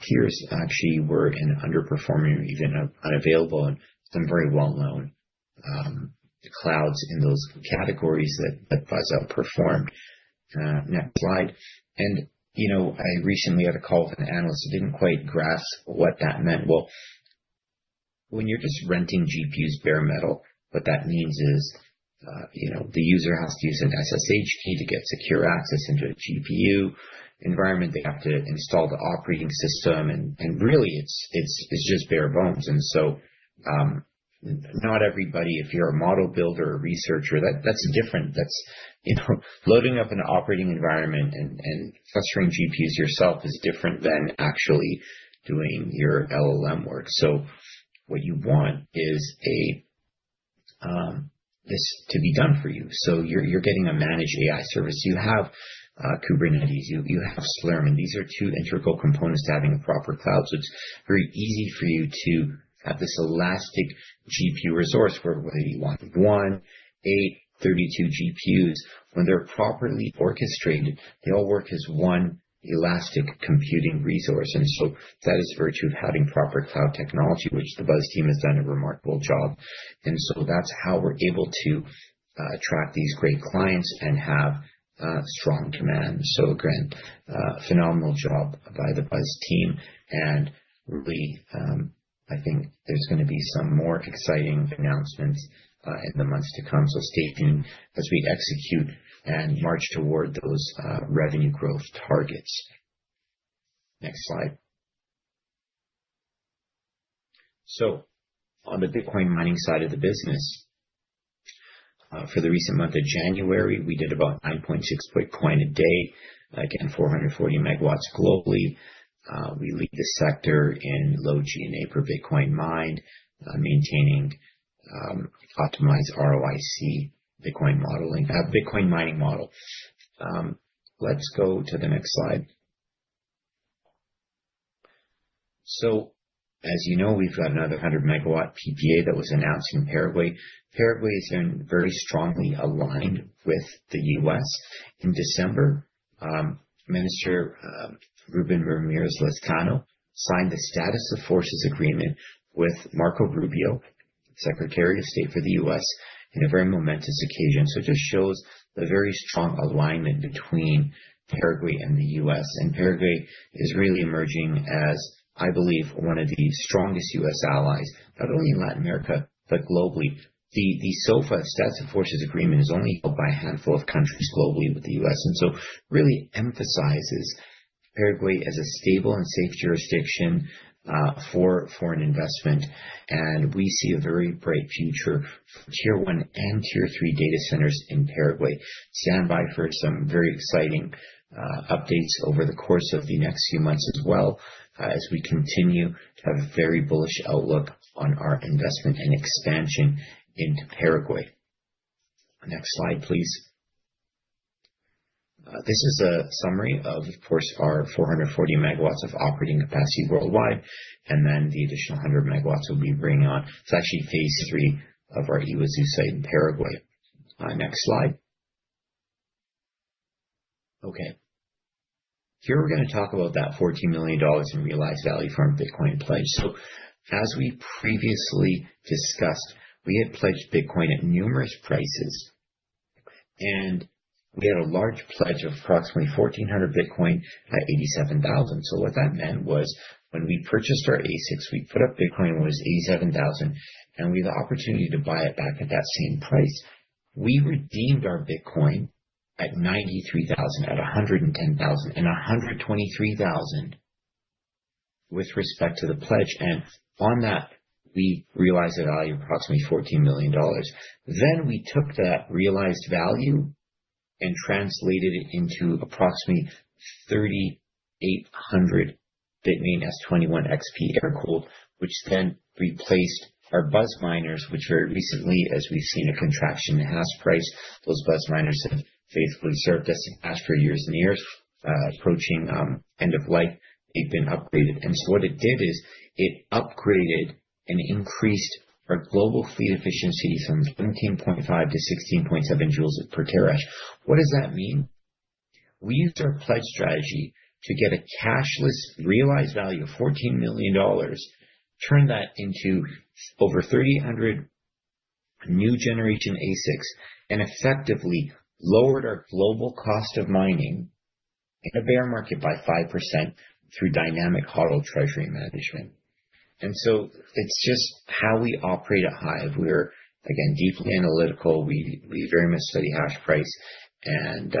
peers actually were again underperforming or even unavailable and some very well-known clouds in those categories that Buzz outperformed. Next slide. You know, I recently had a call with an analyst who didn't quite grasp what that meant. Well, when you're just renting GPUs, bare metal, what that means is, you know, the user has to use an SSH key to get secure access into a GPU environment. They have to install the operating system, and really, it's just bare bones. So not everybody, if you're a model builder or researcher, that's different. That's, you know, loading up an operating environment and clustering GPUs yourself is different than actually doing your LLM work. So what you want is this to be done for you. So you're getting a managed AI service. You have Kubernetes, you have Slurm, and these are two integral components to having a proper cloud. So it's very easy for you to have this elastic GPU resource, whether you want 1, 8, 32 GPUs. When they're properly orchestrated, they all work as one elastic computing resource. And so that is the virtue of having proper cloud technology, which the Buzz team has done a remarkable job. And so that's how we're able to attract these great clients and have strong demand. So again, phenomenal job by the Buzz team, and really, I think there's going to be some more exciting announcements in the months to come. So stay tuned as we execute and march toward those revenue growth targets. Next slide. So on the Bitcoin mining side of the business, for the recent month of January, we did about 9.6 Bitcoin a day, again, 440 MW globally. We lead the sector in low G&A per Bitcoin mined, maintaining optimized ROIC, Bitcoin modeling, Bitcoin mining model. Let's go to the next slide. So, as you know, we've got another 100 MW PPA that was announced in Paraguay. Paraguay is very strongly aligned with the U.S. In December, Minister Rubén Ramírez Lezcano signed the Status of Forces Agreement with Marco Rubio, Secretary of State for the U.S., in a very momentous occasion. So just shows the very strong alignment between Paraguay and the U.S. And Paraguay is really emerging as, I believe, one of the strongest U.S. allies, not only in Latin America, but globally. The SOFA, Status of Forces Agreement, is only held by a handful of countries globally with the U.S., and so really emphasizes Paraguay as a stable and safe jurisdiction for foreign investment. We see a very bright future for Tier-I and Tier-III data centers in Paraguay. Stand by for some very exciting updates over the course of the next few months as well, as we continue to have a very bullish outlook on our investment and expansion into Paraguay. Next slide, please. This is a summary of, of course, our 440 MW of operating capacity worldwide, and then the additional 100 MW we'll be bringing on. It's actually phase III of our Yguazu site in Paraguay. Next slide. Okay. Here, we're going to talk about that $14 million in realized value from Bitcoin pledge. As we previously discussed, we had pledged Bitcoin at numerous prices, and we had a large pledge of approximately 1,400 Bitcoin at $87,000. So what that meant was, when we purchased our ASICs, we put up Bitcoin when it was $87,000, and we had the opportunity to buy it back at that same price. We redeemed our Bitcoin at $93,000, at $110,000, and $123,000 with respect to the pledge, and on that, we realized a value of approximately $14 million. Then we took that realized value and translated it into approximately 3,800 Bitmain S21 XP air-cooled, which then replaced our Buzz miners, which very recently, as we've seen, a contraction in hash price. Those Buzz miners have faithfully served us in hash for years and years. Approaching end of life, they've been upgraded. So what it did is, it upgraded and increased our global fleet efficiency from 17.5 to 16.7 joules per terahash. What does that mean? We used our pledge strategy to get a cashless realized value of $14 million, turned that into over 3,000 new generation ASICs, and effectively lowered our global cost of mining in a bear market by 5% through dynamic hurdle treasury management. So it's just how we operate at HIVE. We're, again, deeply analytical. We very much study hash price and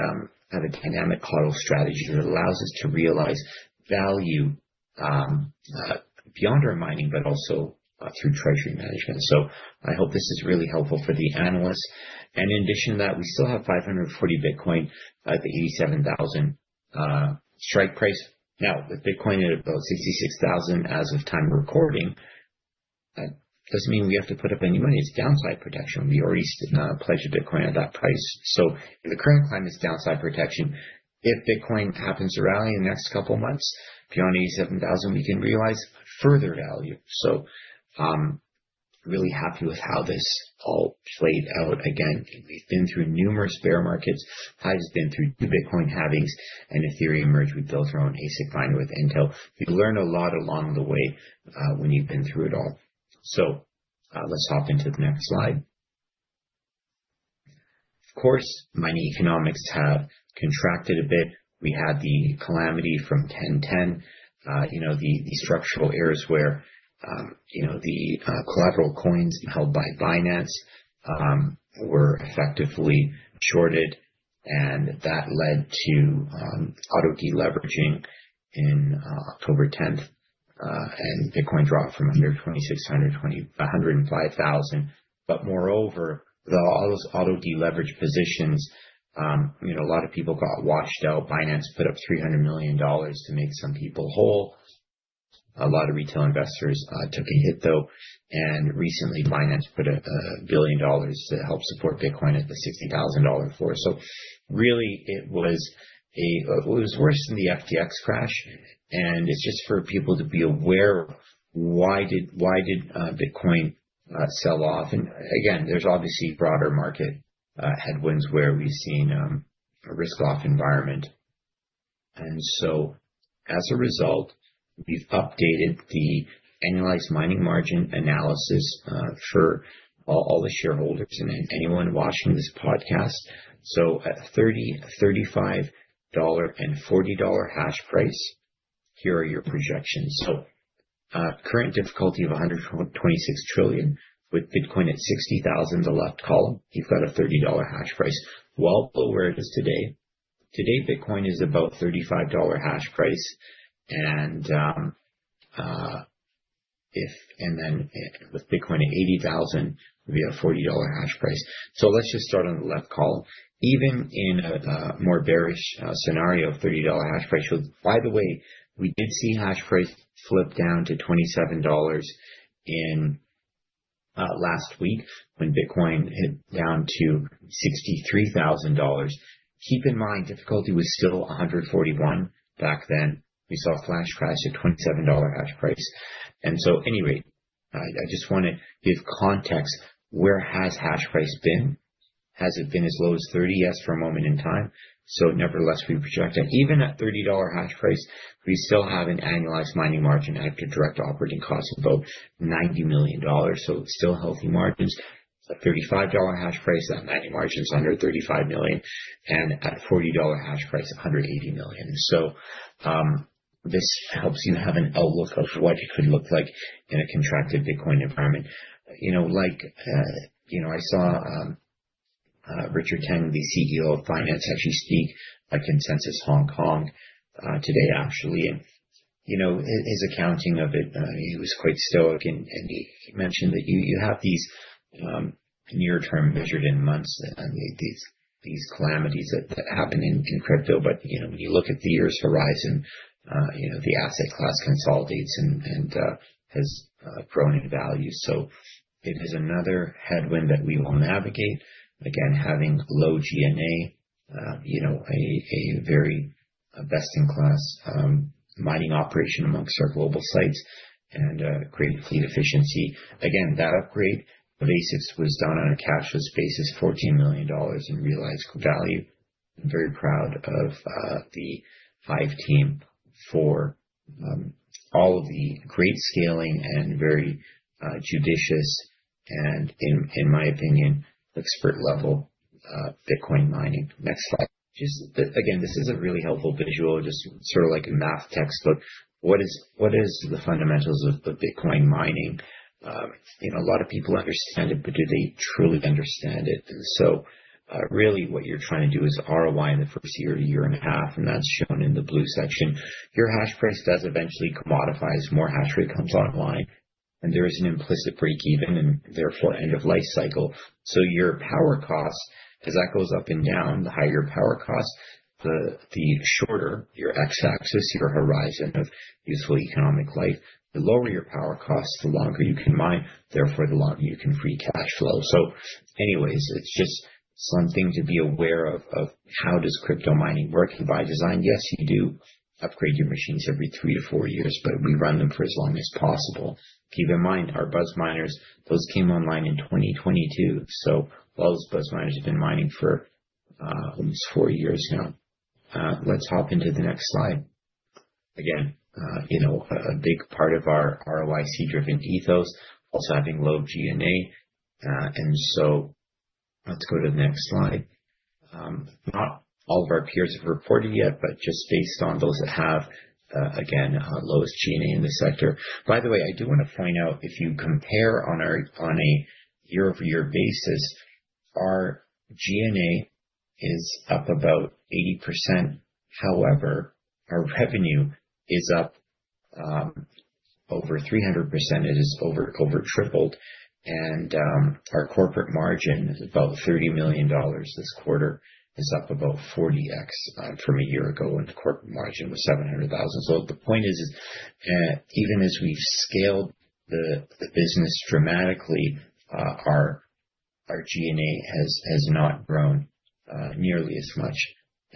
have a dynamic hurdle strategy that allows us to realize value beyond our mining, but also through treasury management. So I hope this is really helpful for the analysts. In addition to that, we still have 540 Bitcoin at the $87,000 strike price. Now, with Bitcoin at about $66,000 as of time of recording, that doesn't mean we have to put up any money. It's downside protection. We already did not pledge a Bitcoin at that price. So in the current climate, it's downside protection. If Bitcoin happens to rally in the next couple of months beyond $87,000, we can realize further value. So, really happy with how this all played out. Again, we've been through numerous bear markets. HIVE has been through two Bitcoin halvings and Ethereum merge. We built our own ASIC miner with Intel. You learn a lot along the way, when you've been through it all. So, let's hop into the next slide. Of course, mining economics have contracted a bit. We had the calamity from 10/10. You know, the structural errors where, you know, the collateral coins held by Binance were effectively shorted, and that led to auto deleveraging in October tenth. And Bitcoin dropped from 126 to 105 thousand. But moreover, all those auto deleverage positions, you know, a lot of people got washed out. Binance put up $300 million to make some people whole. A lot of retail investors took a hit, though. And recently, Binance put a $1 billion to help support Bitcoin at the $60,000 floor. So really it was worse than the FTX crash, and it's just for people to be aware, why did Bitcoin sell off? And again, there's obviously broader market headwinds where we've seen a risk-off environment. And so as a result, we've updated the annualized mining margin analysis for all the shareholders and anyone watching this podcast. So at $30, $35 and $40 hash price, here are your projections. So, current difficulty of 126 trillion with Bitcoin at 60,000, the left column, you've got a $30 hash price, well below where it is today. Today, Bitcoin is about $35 hash price and, if and then with Bitcoin at 80,000, we have a $40 hash price. So let's just start on the left column. Even in a more bearish scenario, $30 hash price. So by the way, we did see hash price slip down to $27 in last week when Bitcoin hit down to $63,000. Keep in mind, difficulty was still 141 back then. We saw a flash crash at $27 hash price. And so, anyway, I just want to give context. Where has hash price been? Has it been as low as 30? Yes, for a moment in time. So nevertheless, we projected even at $30 hash price, we still have an annualized mining margin after direct operating costs of about $90 million. So still healthy margins. At $35 hash price, that mining margin is under $35 million, and at $40 hash price, $180 million. So, this helps you have an outlook of what it could look like in a contracted Bitcoin environment. You know, like, you know, I saw, Richard Teng, the CEO of Binance, actually speak at Consensus Hong Kong, today, actually. You know, his accounting of it, he was quite stoic, and he mentioned that you have these near term measured in months, and these calamities that happen in crypto. But you know, when you look at the year's horizon, you know, the asset class consolidates and has grown in value. So it is another headwind that we will navigate. Again, having low G&A, you know, a very best-in-class mining operation amongst our global sites and great fleet efficiency. Again, that upgrade basis was done on a cashless basis, $14 million in realized value. I'm very proud of the HIVE team for all of the great scaling and very judicious and, in my opinion, expert-level Bitcoin mining. Next slide. Just, again, this is a really helpful visual, just sort of like a math textbook. What is, what is the fundamentals of the Bitcoin mining? You know, a lot of people understand it, but do they truly understand it? And so, really what you're trying to do is ROI in the first year to year and a half, and that's shown in the blue section. Your hash price does eventually commoditize. More hashrate comes online, and there is an implicit break even and therefore end of life cycle. So your power cost, as that goes up and down, the higher your power cost, the, the shorter your x-axis, your horizon of useful economic life. The lower your power costs, the longer you can mine, therefore, the long you can Free Cash Flow. So anyways, it's just something to be aware of, of how does crypto mining work? By design, yes, you do upgrade your machines every 3-4 years, but we run them for as long as possible. Keep in mind, our Buzz miners, those came online in 2022, so all those Buzz miners have been mining for almost four years now. Let's hop into the next slide. Again, you know, a big part of our ROIC-driven ethos, also having low G&A. So let's go to the next slide. Not all of our peers have reported yet, but just based on those that have, again, our lowest G&A in the sector. By the way, I do want to point out, if you compare on a year-over-year basis, our G&A is up about 80%. However, our revenue is up over 300%. It is over, over tripled. Our corporate margin is about $30 million. This quarter is up about 40x from a year ago, and the corporate margin was $700,000. So the point is, even as we've scaled the business dramatically, our G&A has not grown nearly as much.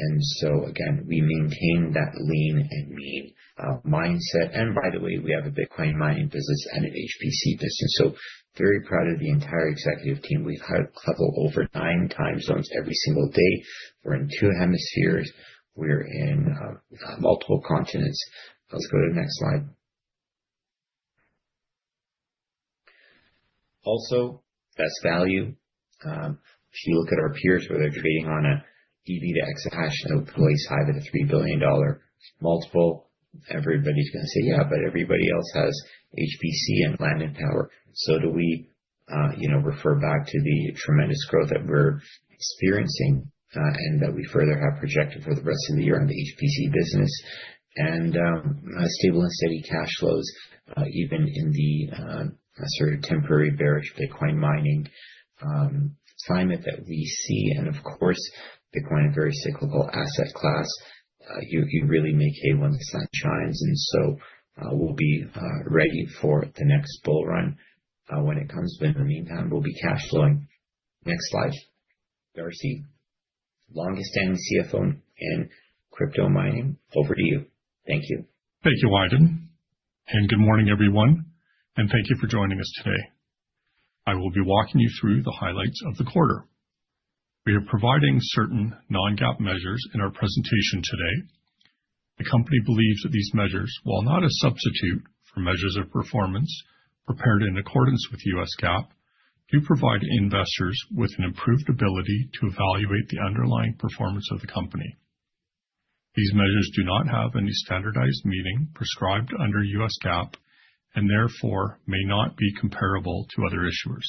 And so again, we maintain that lean and mean mindset. And by the way, we have a Bitcoin mining business and an HPC business, so very proud of the entire executive team. We've had to huddle over nine time zones every single day. We're in two hemispheres. We're in multiple continents. Let's go to the next slide. Also, best value. If you look at our peers, where they're trading on a EV to exahash multiples higher than a $3 billion multiple, everybody's going to say, "Yeah, but everybody else has HPC and land and power." So do we, you know, refer back to the tremendous growth that we're experiencing, and that we further have projected for the rest of the year on the HPC business. And stable and steady cash flows, even in the sort of temporary bearish Bitcoin mining climate that we see. And of course, Bitcoin, a very cyclical asset class. You really make hay when the sun shines, and so we'll be ready for the next bull run when it comes. But in the meantime, we'll be cash flowing. Next slide. Darcy, longest-standing CFO in crypto mining. Over to you. Thank you. Thank you, Aydin, and good morning, everyone, and thank you for joining us today. I will be walking you through the highlights of the quarter. We are providing certain non-GAAP measures in our presentation today. The company believes that these measures, while not a substitute for measures of performance prepared in accordance with US GAAP, do provide investors with an improved ability to evaluate the underlying performance of the company. These measures do not have any standardized meaning prescribed under US GAAP and therefore may not be comparable to other issuers.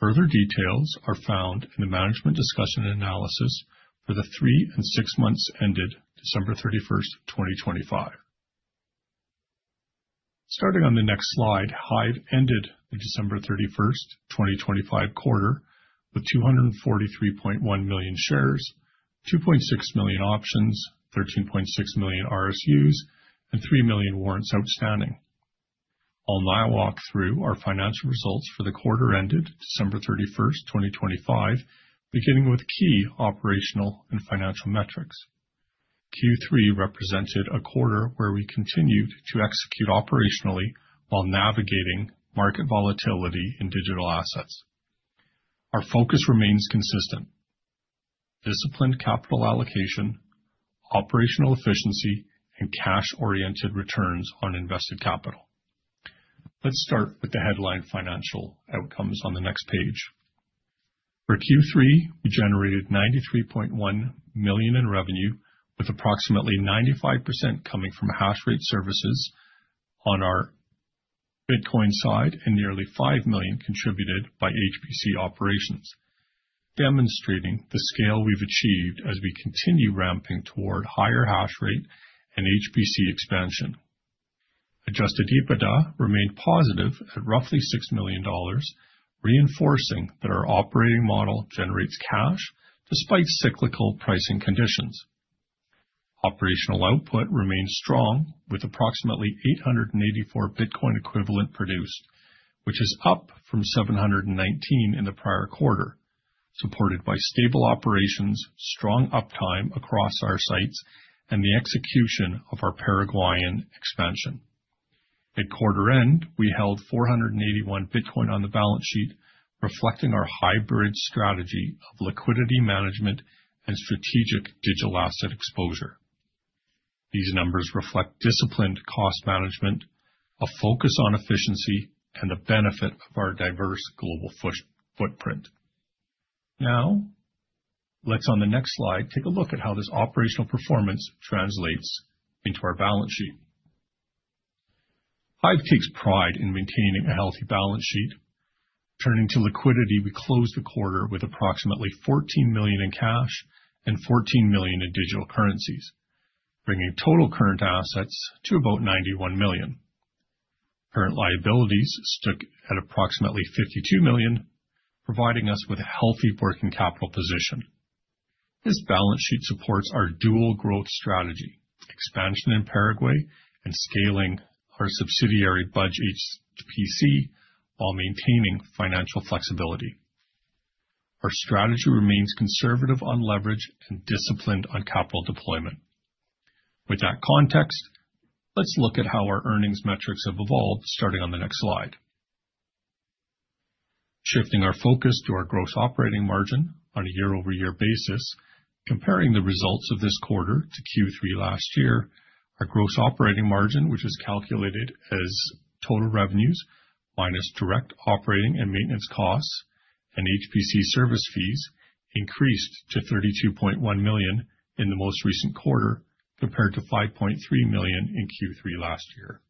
Further details are found in the management discussion and analysis for the three and six months ended December 31, 2025. Starting on the next slide, HIVE ended the December 31, 2025 quarter with 243.1 million shares, 2.6 million options, 13.6 million RSUs, and 3 million warrants outstanding. I'll now walk through our financial results for the quarter ended December 31, 2025, beginning with key operational and financial metrics. Q3 represented a quarter where we continued to execute operationally while navigating market volatility in digital assets. Our focus remains consistent: disciplined capital allocation, operational efficiency, and cash-oriented returns on invested capital. Let's start with the headline financial outcomes on the next page. For Q3, we generated $93.1 million in revenue, with approximately 95% coming from hashrate services on our Bitcoin side and nearly $5 million contributed by HPC operations, demonstrating the scale we've achieved as we continue ramping toward higher hashrate and HPC expansion. Adjusted EBITDA remained positive at roughly $6 million, reinforcing that our operating model generates cash despite cyclical pricing conditions. Operational output remains strong, with approximately 884 Bitcoin equivalent produced, which is up from 719 in the prior quarter, supported by stable operations, strong uptime across our sites, and the execution of our Paraguayan expansion. At quarter end, we held 481 Bitcoin on the balance sheet, reflecting our hybrid strategy of liquidity management and strategic digital asset exposure. Th ese numbers reflect disciplined cost management, a focus on efficiency, and the benefit of our diverse global foot, footprint. Now, let's on the next slide, take a look at how this operational performance translates into our balance sheet. HIVE takes pride in maintaining a healthy balance sheet. Turning to liquidity, we closed the quarter with approximately $14 million in cash and $14 million in digital currencies, bringing total current assets to about $91 million. Current liabilities stuck at approximately $52 million, providing us with a healthy working capital position. This balance sheet supports our dual growth strategy, expansion in Paraguay and scaling our subsidiary Buzz HPC, while maintaining financial flexibility. Our strategy remains conservative on leverage and disciplined on capital deployment. With that context, let's look at how our earnings metrics have evolved, starting on the next slide. Shifting our focus to our gross operating margin on a year-over-year basis, comparing the results of this quarter to Q3 last year, our gross operating margin, which is calculated as total revenues minus direct operating and maintenance costs, and HPC service fees increased to $32.1 million in the most recent quarter, compared to $5.3 million in Q3 last year.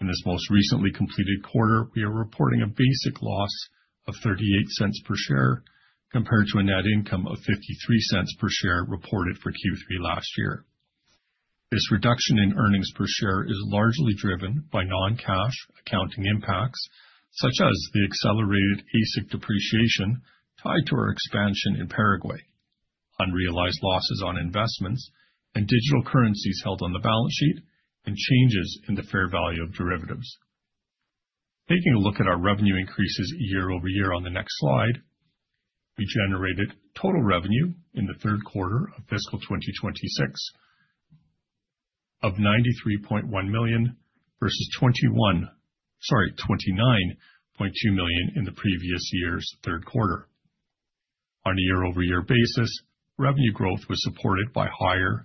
In this most recently completed quarter, we are reporting a basic loss of $0.38 per share, compared to a net income of $0.53 per share reported for Q3 last year. This reduction in earnings per share is largely driven by non-cash accounting impacts, such as the accelerated ASIC depreciation tied to our expansion in Paraguay, unrealized losses on investments and digital currencies held on the balance sheet, and changes in the fair value of derivatives. Taking a look at our revenue increases year-over-year on the next slide, we generated total revenue in the third quarter of fiscal 2026 of $93.1 million versus—sorry, $29.2 million in the previous year's third quarter. On a year-over-year basis, revenue growth was supported by higher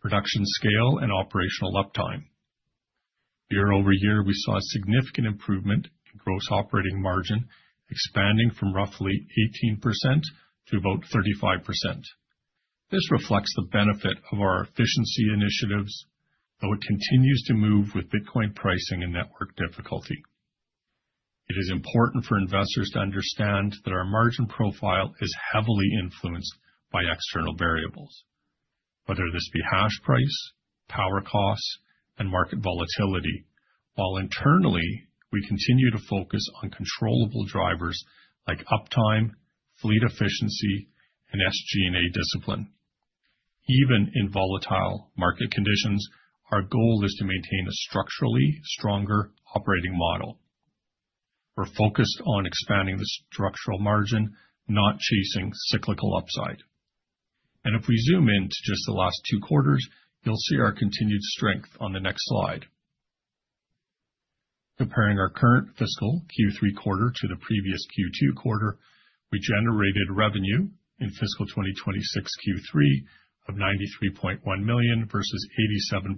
production scale and operational uptime. Year over year, we saw a significant improvement in gross operating margin, expanding from roughly 18% to about 35%. This reflects the benefit of our efficiency initiatives, though it continues to move with Bitcoin pricing and network difficulty. It is important for investors to understand that our margin profile is heavily influenced by external variables, whether this be hash price, power costs, and market volatility. While internally, we continue to focus on controllable drivers like uptime, fleet efficiency, and SG&A discipline. Even in volatile market conditions, our goal is to maintain a structurally stronger operating model. We're focused on expanding the structural margin, not chasing cyclical upside. If we zoom in to just the last 2 quarters, you'll see our continued strength on the next slide. Comparing our current fiscal Q3 quarter to the previous Q2 quarter, we generated revenue in fiscal 2026 Q3 of $93.1 million versus $87.3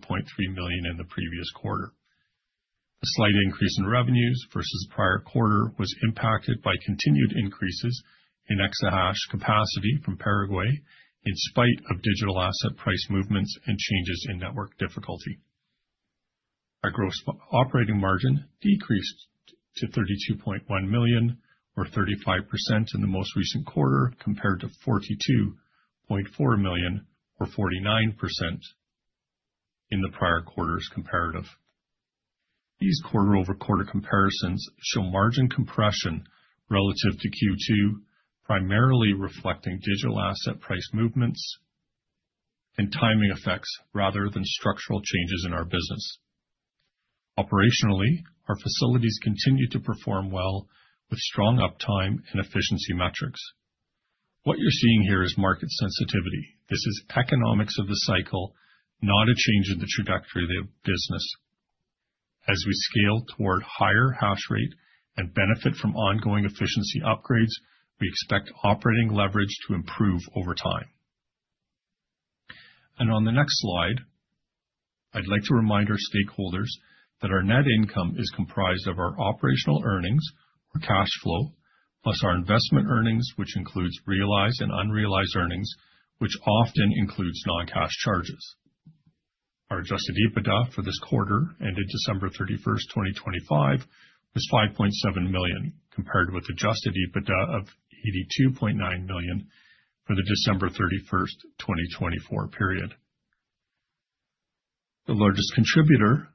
million in the previous quarter. A slight increase in revenues versus prior quarter was impacted by continued increases in Exahash capacity from Paraguay, in spite of digital asset price movements and changes in network difficulty. Our gross operating margin decreased to $32.1 million, or 35% in the most recent quarter, compared to $42.4 million, or 49% in the prior quarter's comparative. These quarter-over-quarter comparisons show margin compression relative to Q2, primarily reflecting digital asset price movements and timing effects rather than structural changes in our business. Operationally, our facilities continue to perform well with strong uptime and efficiency metrics. What you're seeing here is market sensitivity. This is economics of the cycle, not a change in the trajectory of the business. As we scale toward higher hashrate and benefit from ongoing efficiency upgrades, we expect operating leverage to improve over time. And on the next slide, I'd like to remind our stakeholders that our net income is comprised of our operational earnings or cash flow. Plus our investment earnings, which includes realized and unrealized earnings, which often includes non-cash charges. Our Adjusted EBITDA for this quarter, ended December 31, 2025, was $5.7 million, compared with Adjusted EBITDA of $82.9 million for the December 31, 2024 period. The largest contributor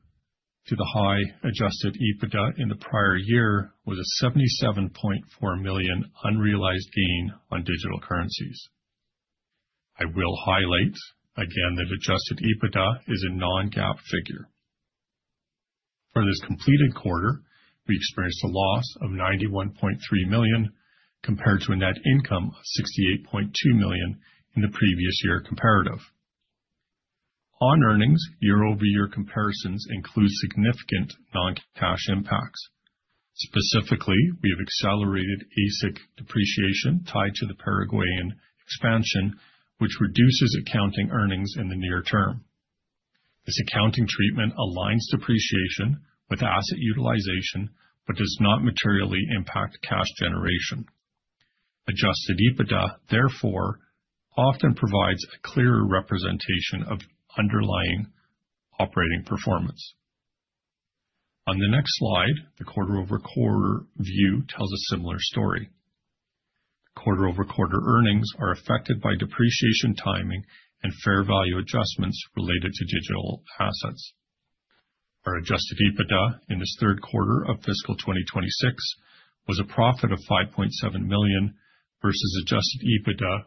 to the high Adjusted EBITDA in the prior year was a $77.4 million unrealized gain on digital currencies. I will highlight again that Adjusted EBITDA is a non-GAAP figure. For this completed quarter, we experienced a loss of $91.3 million compared to a net income of $68.2 million in the previous year comparative. On earnings, year-over-year comparisons include significant non-cash impacts. Specifically, we have accelerated ASIC depreciation tied to the Paraguayan expansion, which reduces accounting earnings in the near term. This accounting treatment aligns depreciation with asset utilization but does not materially impact cash generation. Adjusted EBITDA, therefore, often provides a clearer representation of underlying operating performance. On the next slide, the quarter-over-quarter view tells a similar story. Quarter-over-quarter earnings are affected by depreciation timing and fair value adjustments related to digital assets. Our adjusted EBITDA in this third quarter of fiscal 2026 was a profit of $5.7 million versus adjusted EBITDA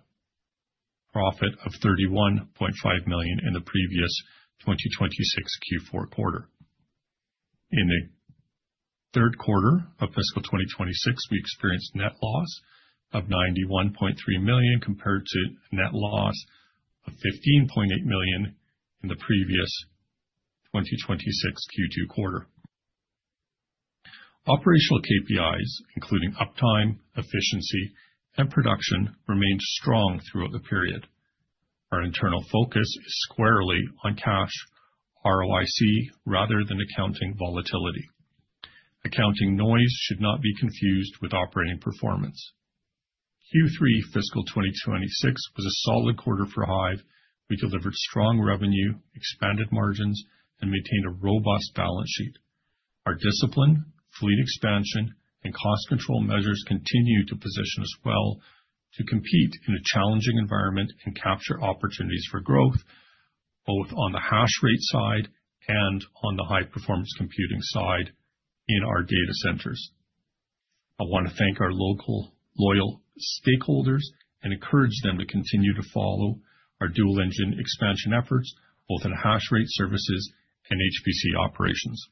profit of $31.5 million in the previous 2026 Q4 quarter. In the third quarter of fiscal 2026, we experienced net loss of $91.3 million, compared to net loss of $15.8 million in the previous 2026 Q2 quarter. Operational KPIs, including uptime, efficiency, and production, remained strong throughout the period. Our internal focus is squarely on cash ROIC rather than accounting volatility. Accounting noise should not be confused with operating performance. Q3 fiscal 2026 was a solid quarter for HIVE. We delivered strong revenue, expanded margins, and maintained a robust balance sheet. Our discipline, fleet expansion, and cost control measures continue to position us well to compete in a challenging environment and capture opportunities for growth, both on the hashrate side and on the high performance computing side in our data centers. I want to thank our local loyal stakeholders and encourage them to continue to follow our dual engine expansion efforts, both in hashrate services and HPC operations.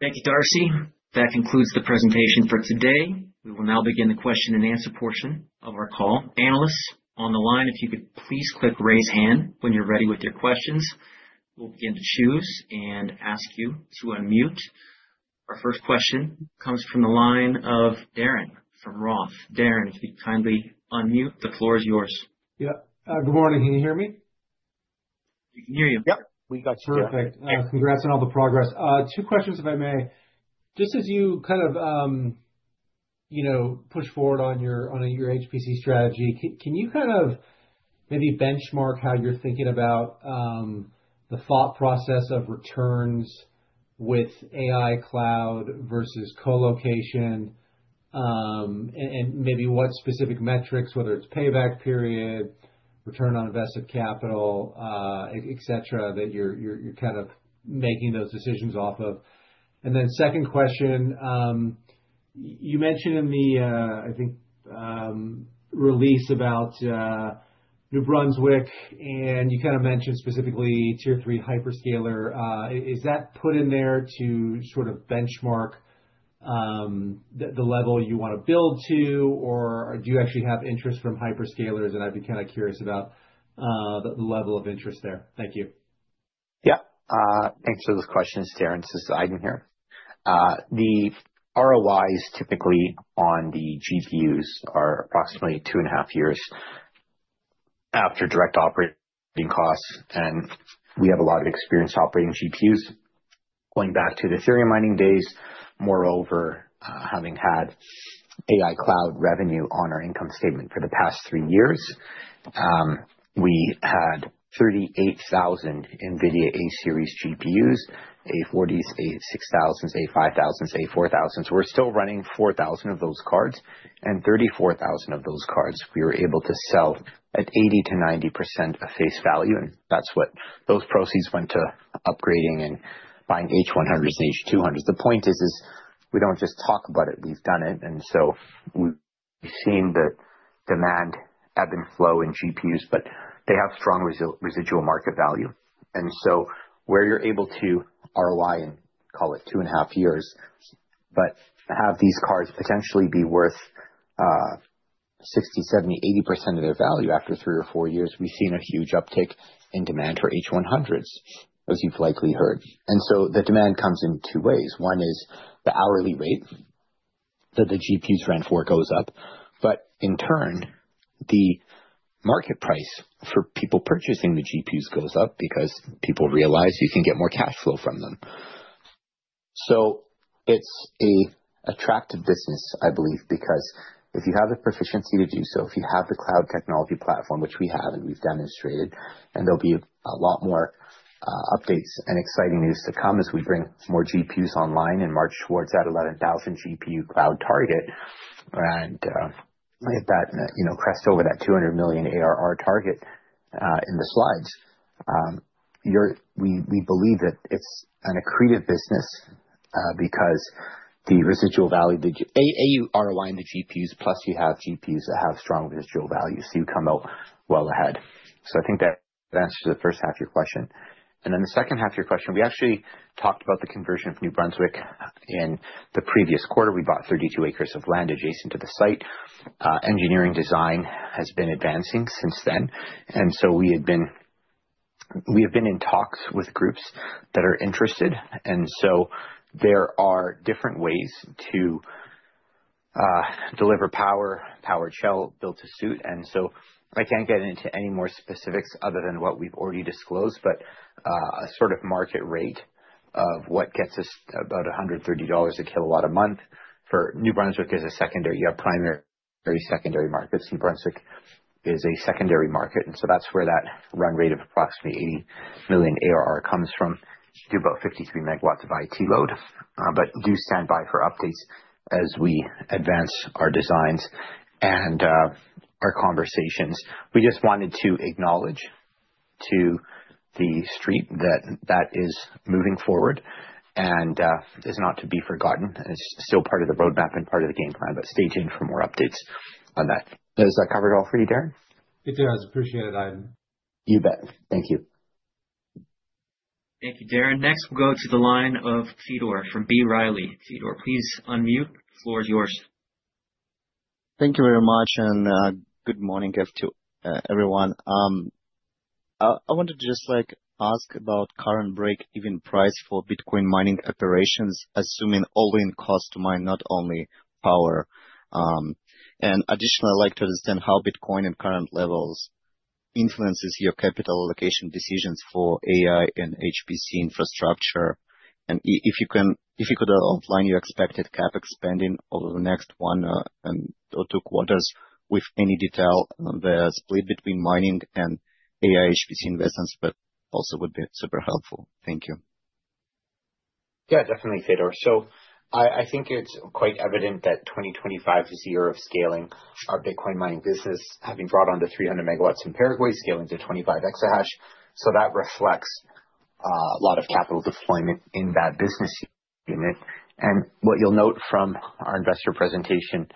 Thank you, Darcy. That concludes the presentation for today. We will now begin the question-and-answer portion of our call. Analysts on the line, if you could please click Raise Hand when you're ready with your questions. We'll begin to choose and ask you to unmute. Our first question comes from the line of Darren from Roth. Darren, if you'd kindly unmute, the floor is yours. Yeah. Good morning. Can you hear me? We can hear you. Yep, we got you. Perfect. Congrats on all the progress. 2 questions, if I may. Just as you kind of, you know, push forward on your, on your HPC strategy, can you kind of maybe benchmark how you're thinking about the thought process of returns with AI cloud versus colocation? And maybe what specific metrics, whether it's payback period, return on invested capital, et cetera, that you're kind of making those decisions off of. And then second question, you mentioned in the, I think, release about New Brunswick, and you kind of mentioned specifically Tier-III hyperscaler. Is that put in there to sort of benchmark the level you want to build to, or do you actually have interest from hyperscalers? And I'd be kind of curious about the level of interest there. Thank you. Yeah. Thanks for those questions, Darren. This is Aydin here. The ROIs, typically on the GPUs, are approximately 2.5 years after direct operating costs, and we have a lot of experience operating GPUs going back to the Ethereum mining days. Moreover, having had AI cloud revenue on our income statement for the past three years, we had 38,000 NVIDIA A series GPUs, A40s, A6000, A5000, A4000. So we're still running 4,000 of those cards, and 34,000 of those cards we were able to sell at 80%-90% of face value, and that's what those proceeds went to upgrading and buying H100s and H200s. The point is, we don't just talk about it, we've done it, and so we've seen the demand ebb and flow in GPUs, but they have strong residual market value. Where you're able to ROI in, call it 2.5 years, but have these cards potentially be worth 60, 70, 80% of their value after 3 or 4 years, we've seen a huge uptick in demand for H100s, as you've likely heard. And so the demand comes in two ways. One is the hourly rate that the GPUs rent for goes up, but in turn, the market price for people purchasing the GPUs goes up because people realize you can get more cash flow from them. So it's a attractive business, I believe, because if you have the proficiency to do so, if you have the cloud technology platform, which we have and we've demonstrated, and there'll be a lot more, updates and exciting news to come as we bring more GPUs online and march towards that 11,000 GPU cloud target. And, with that, you know, crest over that $200 million ARR target, in the slides. We believe that it's an accretive business, because the residual value, the GAAP ROI in the GPUs, plus you have GPUs that have strong residual value, so you come out well ahead. So I think that answers the first half of your question. The second half of your question, we actually talked about the conversion of New Brunswick in the previous quarter. We bought 32 acres of land adjacent to the site. Engineering design has been advancing since then, and so we had been, we have been in talks with groups that are interested, and so there are different ways to deliver power, powered shell built to suit. And so I can't get into any more specifics other than what we've already disclosed, but a sort of market rate of what gets us about $130 a kW a month for New Brunswick is a secondary. You have primary, secondary markets. New Brunswick is a secondary market, and so that's where that run rate of approximately $80 million ARR comes from, for about 53 MW of IT load. But do stand by for updates as we advance our designs and, our conversations. We just wanted to acknowledge to the street that that is moving forward and, is not to be forgotten. It's still part of the roadmap and part of the game plan, but stay tuned for more updates on that. Does that cover it all for you, Darren? It does. Appreciate it, Ivan. You bet. Thank you. Thank you, Darren. Next, we'll go to the line of Fedor from B. Riley. Fedor, please unmute. The floor is yours. Thank you very much, and good morning to everyone. I wanted to just, like, ask about current break-even price for Bitcoin mining operations, assuming all-in cost to mine, not only power. And additionally, I'd like to understand how Bitcoin at current levels influences your capital allocation decisions for AI and HPC infrastructure. And if you can, if you could outline your expected CapEx spending over the next one, and or two quarters with any detail on the split between mining and AI HPC investments, but also would be super helpful. Thank you. Yeah, definitely, Fedor. So I think it's quite evident that 2025 is the year of scaling our Bitcoin mining business, having brought on 300 MW in Paraguay, scaling to 25 exahash. So that reflects a lot of capital deployment in that business unit. And what you'll note from our investor presentation,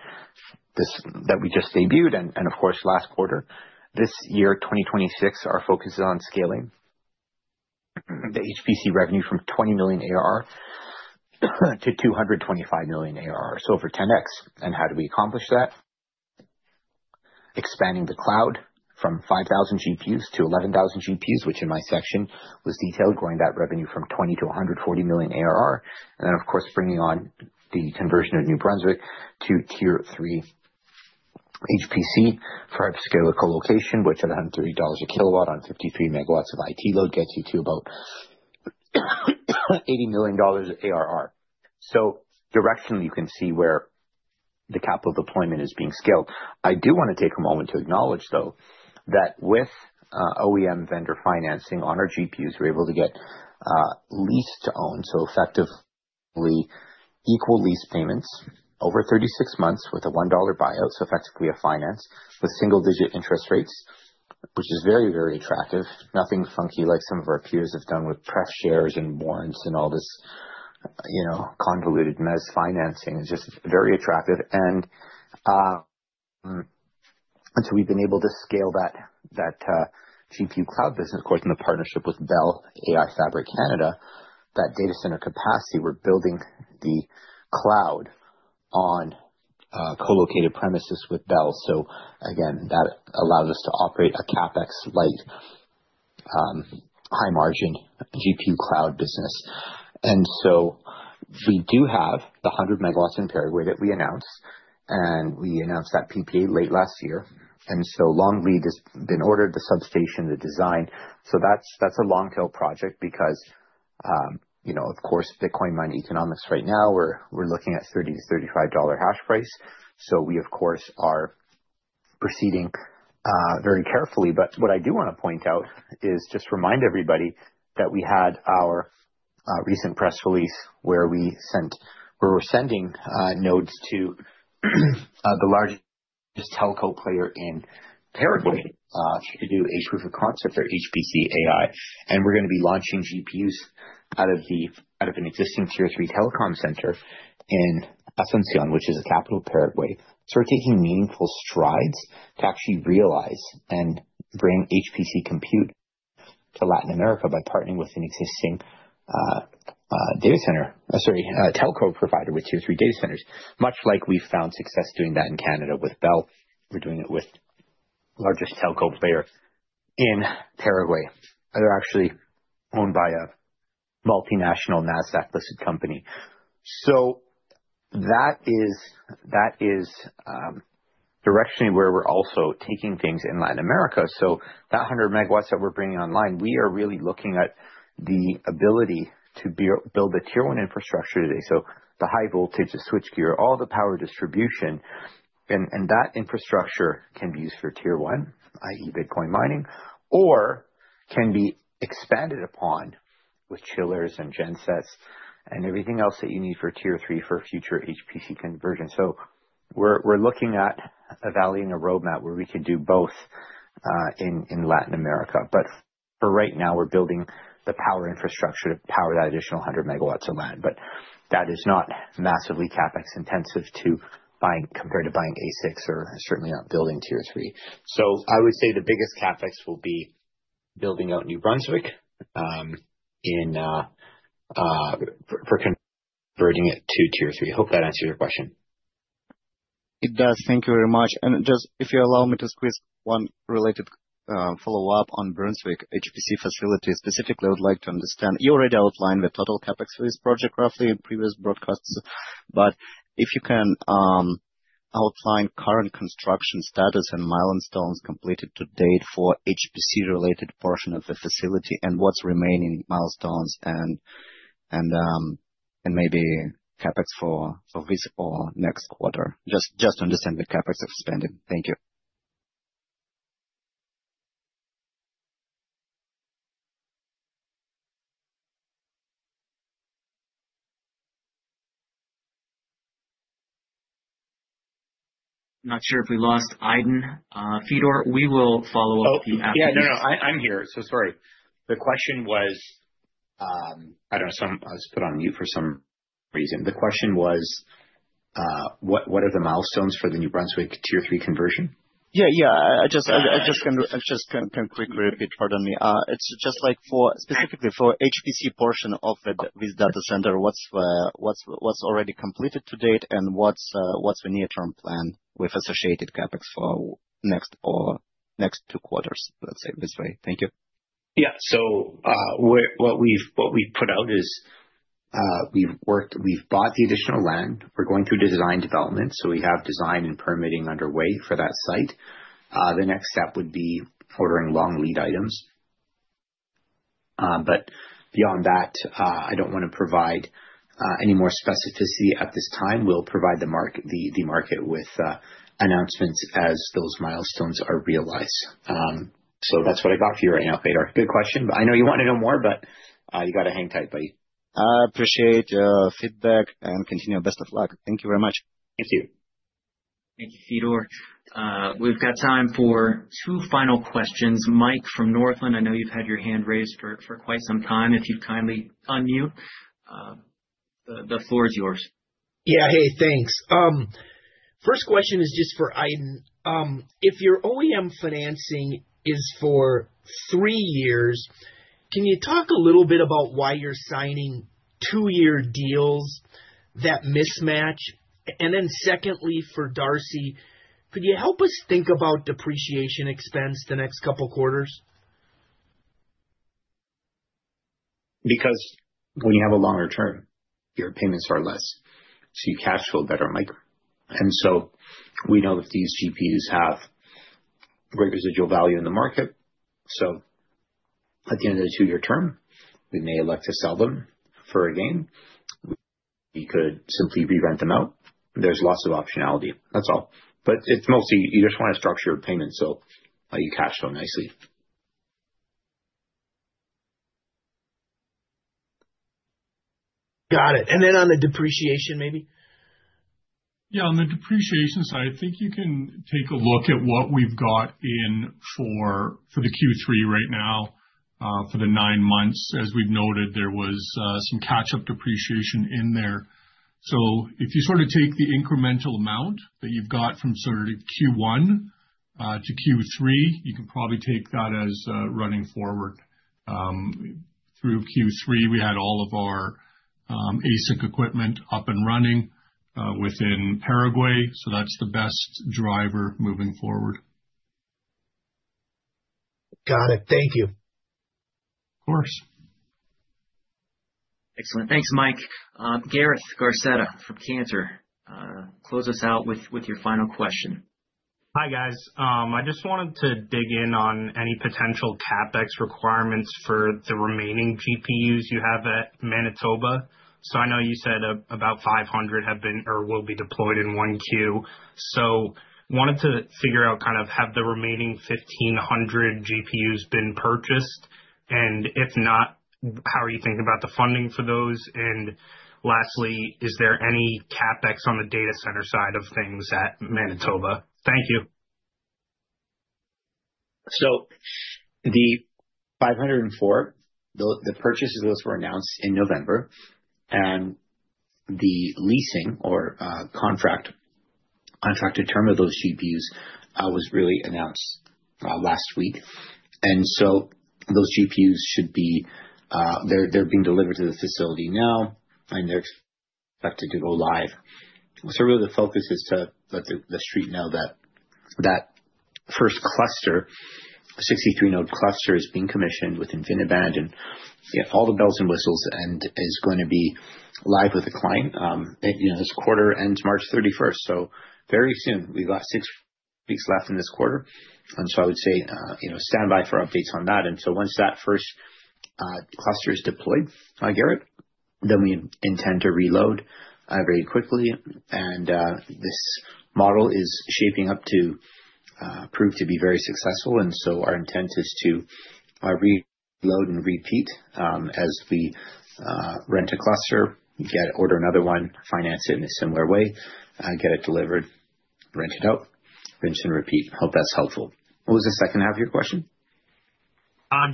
that we just debuted and, of course, last quarter. This year, 2026, our focus is on scaling the HPC revenue from $20 million ARR to $225 million ARR. So for 10x, and how do we accomplish that? Expanding the cloud from 5,000 GPUs to 11,000 GPUs, which in my section was detailed, growing that revenue from $20 million to $140 million ARR. Then, of course, bringing on the conversion of New Brunswick to Tier-III HPC for our scalar colocation, which at $130 a kW on 53 MW of IT load, gets you to about $80 million ARR. So directionally, you can see where the capital deployment is being scaled. I do want to take a moment to acknowledge, though, that with OEM vendor financing on our GPUs, we're able to get lease to own. So effectively, equal lease payments over 36 months with a $1 buyout. So effectively a finance with single digit interest rates, which is very, very attractive. Nothing funky like some of our peers have done with pref shares, and warrants, and all this, you know, convoluted mezz financing. It's just very attractive. And so we've been able to scale that, that, GPU cloud business, of course, in the partnership with Bell AI Fabric, Canada. That data center capacity, we're building the cloud on, co-located premises with Bell. So again, that allows us to operate a CapEx-like, high margin GPU cloud business. And so we do have the 100 MW in Paraguay that we announced, and we announced that PPA late last year, and so long lead has been ordered, the substation, the design. So that's, that's a long-tail project because, you know, of course, Bitcoin mining economics right now, we're, we're looking at $30-$35 hash price. So we, of course, are proceeding, very carefully. But what I do wanna point out, is just remind everybody that we had our, recent press release where we sent. Where we're sending nodes to the largest telco player in Paraguay to do a proof of concept for HPC AI. And we're gonna be launching GPUs out of an existing Tier-III telecom center in Asunción, which is the capital of Paraguay. So we're taking meaningful strides to actually realize and bring HPC compute to Latin America by partnering with an existing data center, sorry, telco provider with Tier-III data centers. Much like we've found success doing that in Canada with Bell, we're doing it with the largest telco player in Paraguay. They're actually owned by a multinational NASDAQ-listed company. That is directionally where we're also taking things in Latin America. So that 100 MW that we're bringing online, we are really looking at the ability to build a Tier-I infrastructure today. So the high voltage, the switch gear, all the power distribution, and that infrastructure can be used for Tier-I, i.e., Bitcoin mining, or can be expanded upon with chillers and gen sets and everything else that you need for Tier-III for future HPC conversion. So we're looking at evaluating a roadmap where we could do both, in Latin America. But for right now, we're building the power infrastructure to power that additional 100 MW of land. But that is not massively CapEx intensive to buying compared to buying ASICs or certainly not building Tier-III. So I would say the biggest CapEx will be building out New Brunswick, in for converting it to Tier-III. Hope that answers your question. It does. Thank you very much. And just if you allow me to squeeze one related follow-up on New Brunswick HPC facility. Specifically, I would like to understand, you already outlined the total CapEx for this project roughly in previous broadcasts, but if you can, outline current construction status and milestones completed to date for HPC related portion of the facility and what's remaining milestones and, and, and maybe CapEx for, for this or next quarter, just, just to understand the CapEx spending. Thank you. Not sure if we lost Aydin. Fedor, we will follow up with you after this. Oh, yeah. No, no, I'm here. So sorry. The question was, I don't know, so I was put on mute for some reason. The question was, what are the milestones for the New Brunswick Tier-III conversion? Yeah, yeah. I just can quickly repeat. Pardon me. It's just like for, specifically for the HPC portion of this data center, what's already completed to date and what's the near-term plan with associated CapEx for next two quarters? Let's say it this way. Thank you. Yeah. So, what we've put out is, we've bought the additional land. We're going through design development, so we have design and permitting underway for that site. The next step would be ordering long lead items. But beyond that, I don't want to provide any more specificity at this time. We'll provide the market with announcements as those milestones are realized. So that's what I've got for you right now, Fedor. Good question. I know you want to know more, but you gotta hang tight, buddy. I appreciate feedback and continue. Best of luck. Thank you very much. Thank you. Thank you, Fedor. We've got time for two final questions. Mike from Northland, I know you've had your hand raised for quite some time. If you'd kindly unmute, the floor is yours. Yeah. Hey, thanks. First question is just for Aydin. If your OEM financing is for three years, can you talk a little bit about why you're signing two-year deals that mismatch? And then secondly, for Darcy, could you help us think about depreciation expense the next couple quarters? Because when you have a longer term, your payments are less, so you cash flow better, Mike. And so we know that these GPUs have great residual value in the market. So at the end of the two-year term, we may elect to sell them for a gain. We could simply re-rent them out. There's lots of optionality, that's all. But it's mostly, you just want to structure a payment so, you cash flow nicely. Got it. And then on the depreciation, maybe? Yeah, on the depreciation side, I think you can take a look at what we've got in for, for the Q3 right now. For the nine months, as we've noted, there was some catch-up depreciation in there. So if you sort of take the incremental amount that you've got from sort of Q1 to Q3, you can probably take that as running forward. Through Q3, we had all of our ASIC equipment up and running within Paraguay, so that's the best driver moving forward. Got it. Thank you. Of course. Excellent. Thanks, Mike. Gareth Garcetta from Cantor, close us out with, with your final question. Hi, guys. I just wanted to dig in on any potential CapEx requirements for the remaining GPUs you have at Manitoba. So I know you said about 500 have been or will be deployed in 1Q. So wanted to figure out kind of, have the remaining 1,500 GPUs been purchased? And if not, how are you thinking about the funding for those? And lastly, is there any CapEx on the data center side of things at Manitoba? Thank you. So the 504, the purchase of those were announced in November, and the leasing or contract, contracted term of those GPUs was really announced last week. And so those GPUs should be. They're being delivered to the facility now, and they're expected to go live. So really the focus is to let the street know that that first cluster, 63-node cluster, is being commissioned with Infiniband and, you know, all the bells and whistles, and is going to be live with the client. You know, this quarter ends March 31, so very soon. We've got 6 weeks left in this quarter, and so I would say, you know, stand by for updates on that. And so once that first cluster is deployed, Garrett, then we intend to reload very quickly. This model is shaping up to prove to be very successful, and so our intent is to reload and repeat, as we rent a cluster, get order another one, finance it in a similar way, get it delivered, rent it out, rinse and repeat. Hope that's helpful. What was the second half of your question?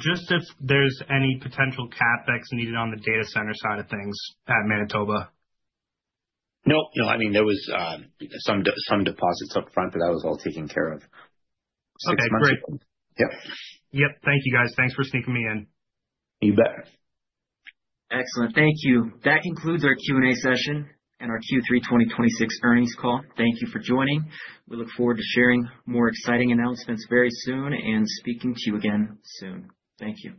Just if there's any potential CapEx needed on the data center side of things at Manitoba? No, no, I mean, there was some deposits up front, but that was all taken care of. Okay, great. Yep. Yep. Thank you, guys. Thanks for sneaking me in. You bet. Excellent. Thank you. That concludes our Q&A session and our Q3 2026 earnings call. Thank you for joining. We look forward to sharing more exciting announcements very soon and speaking to you again soon. Thank you.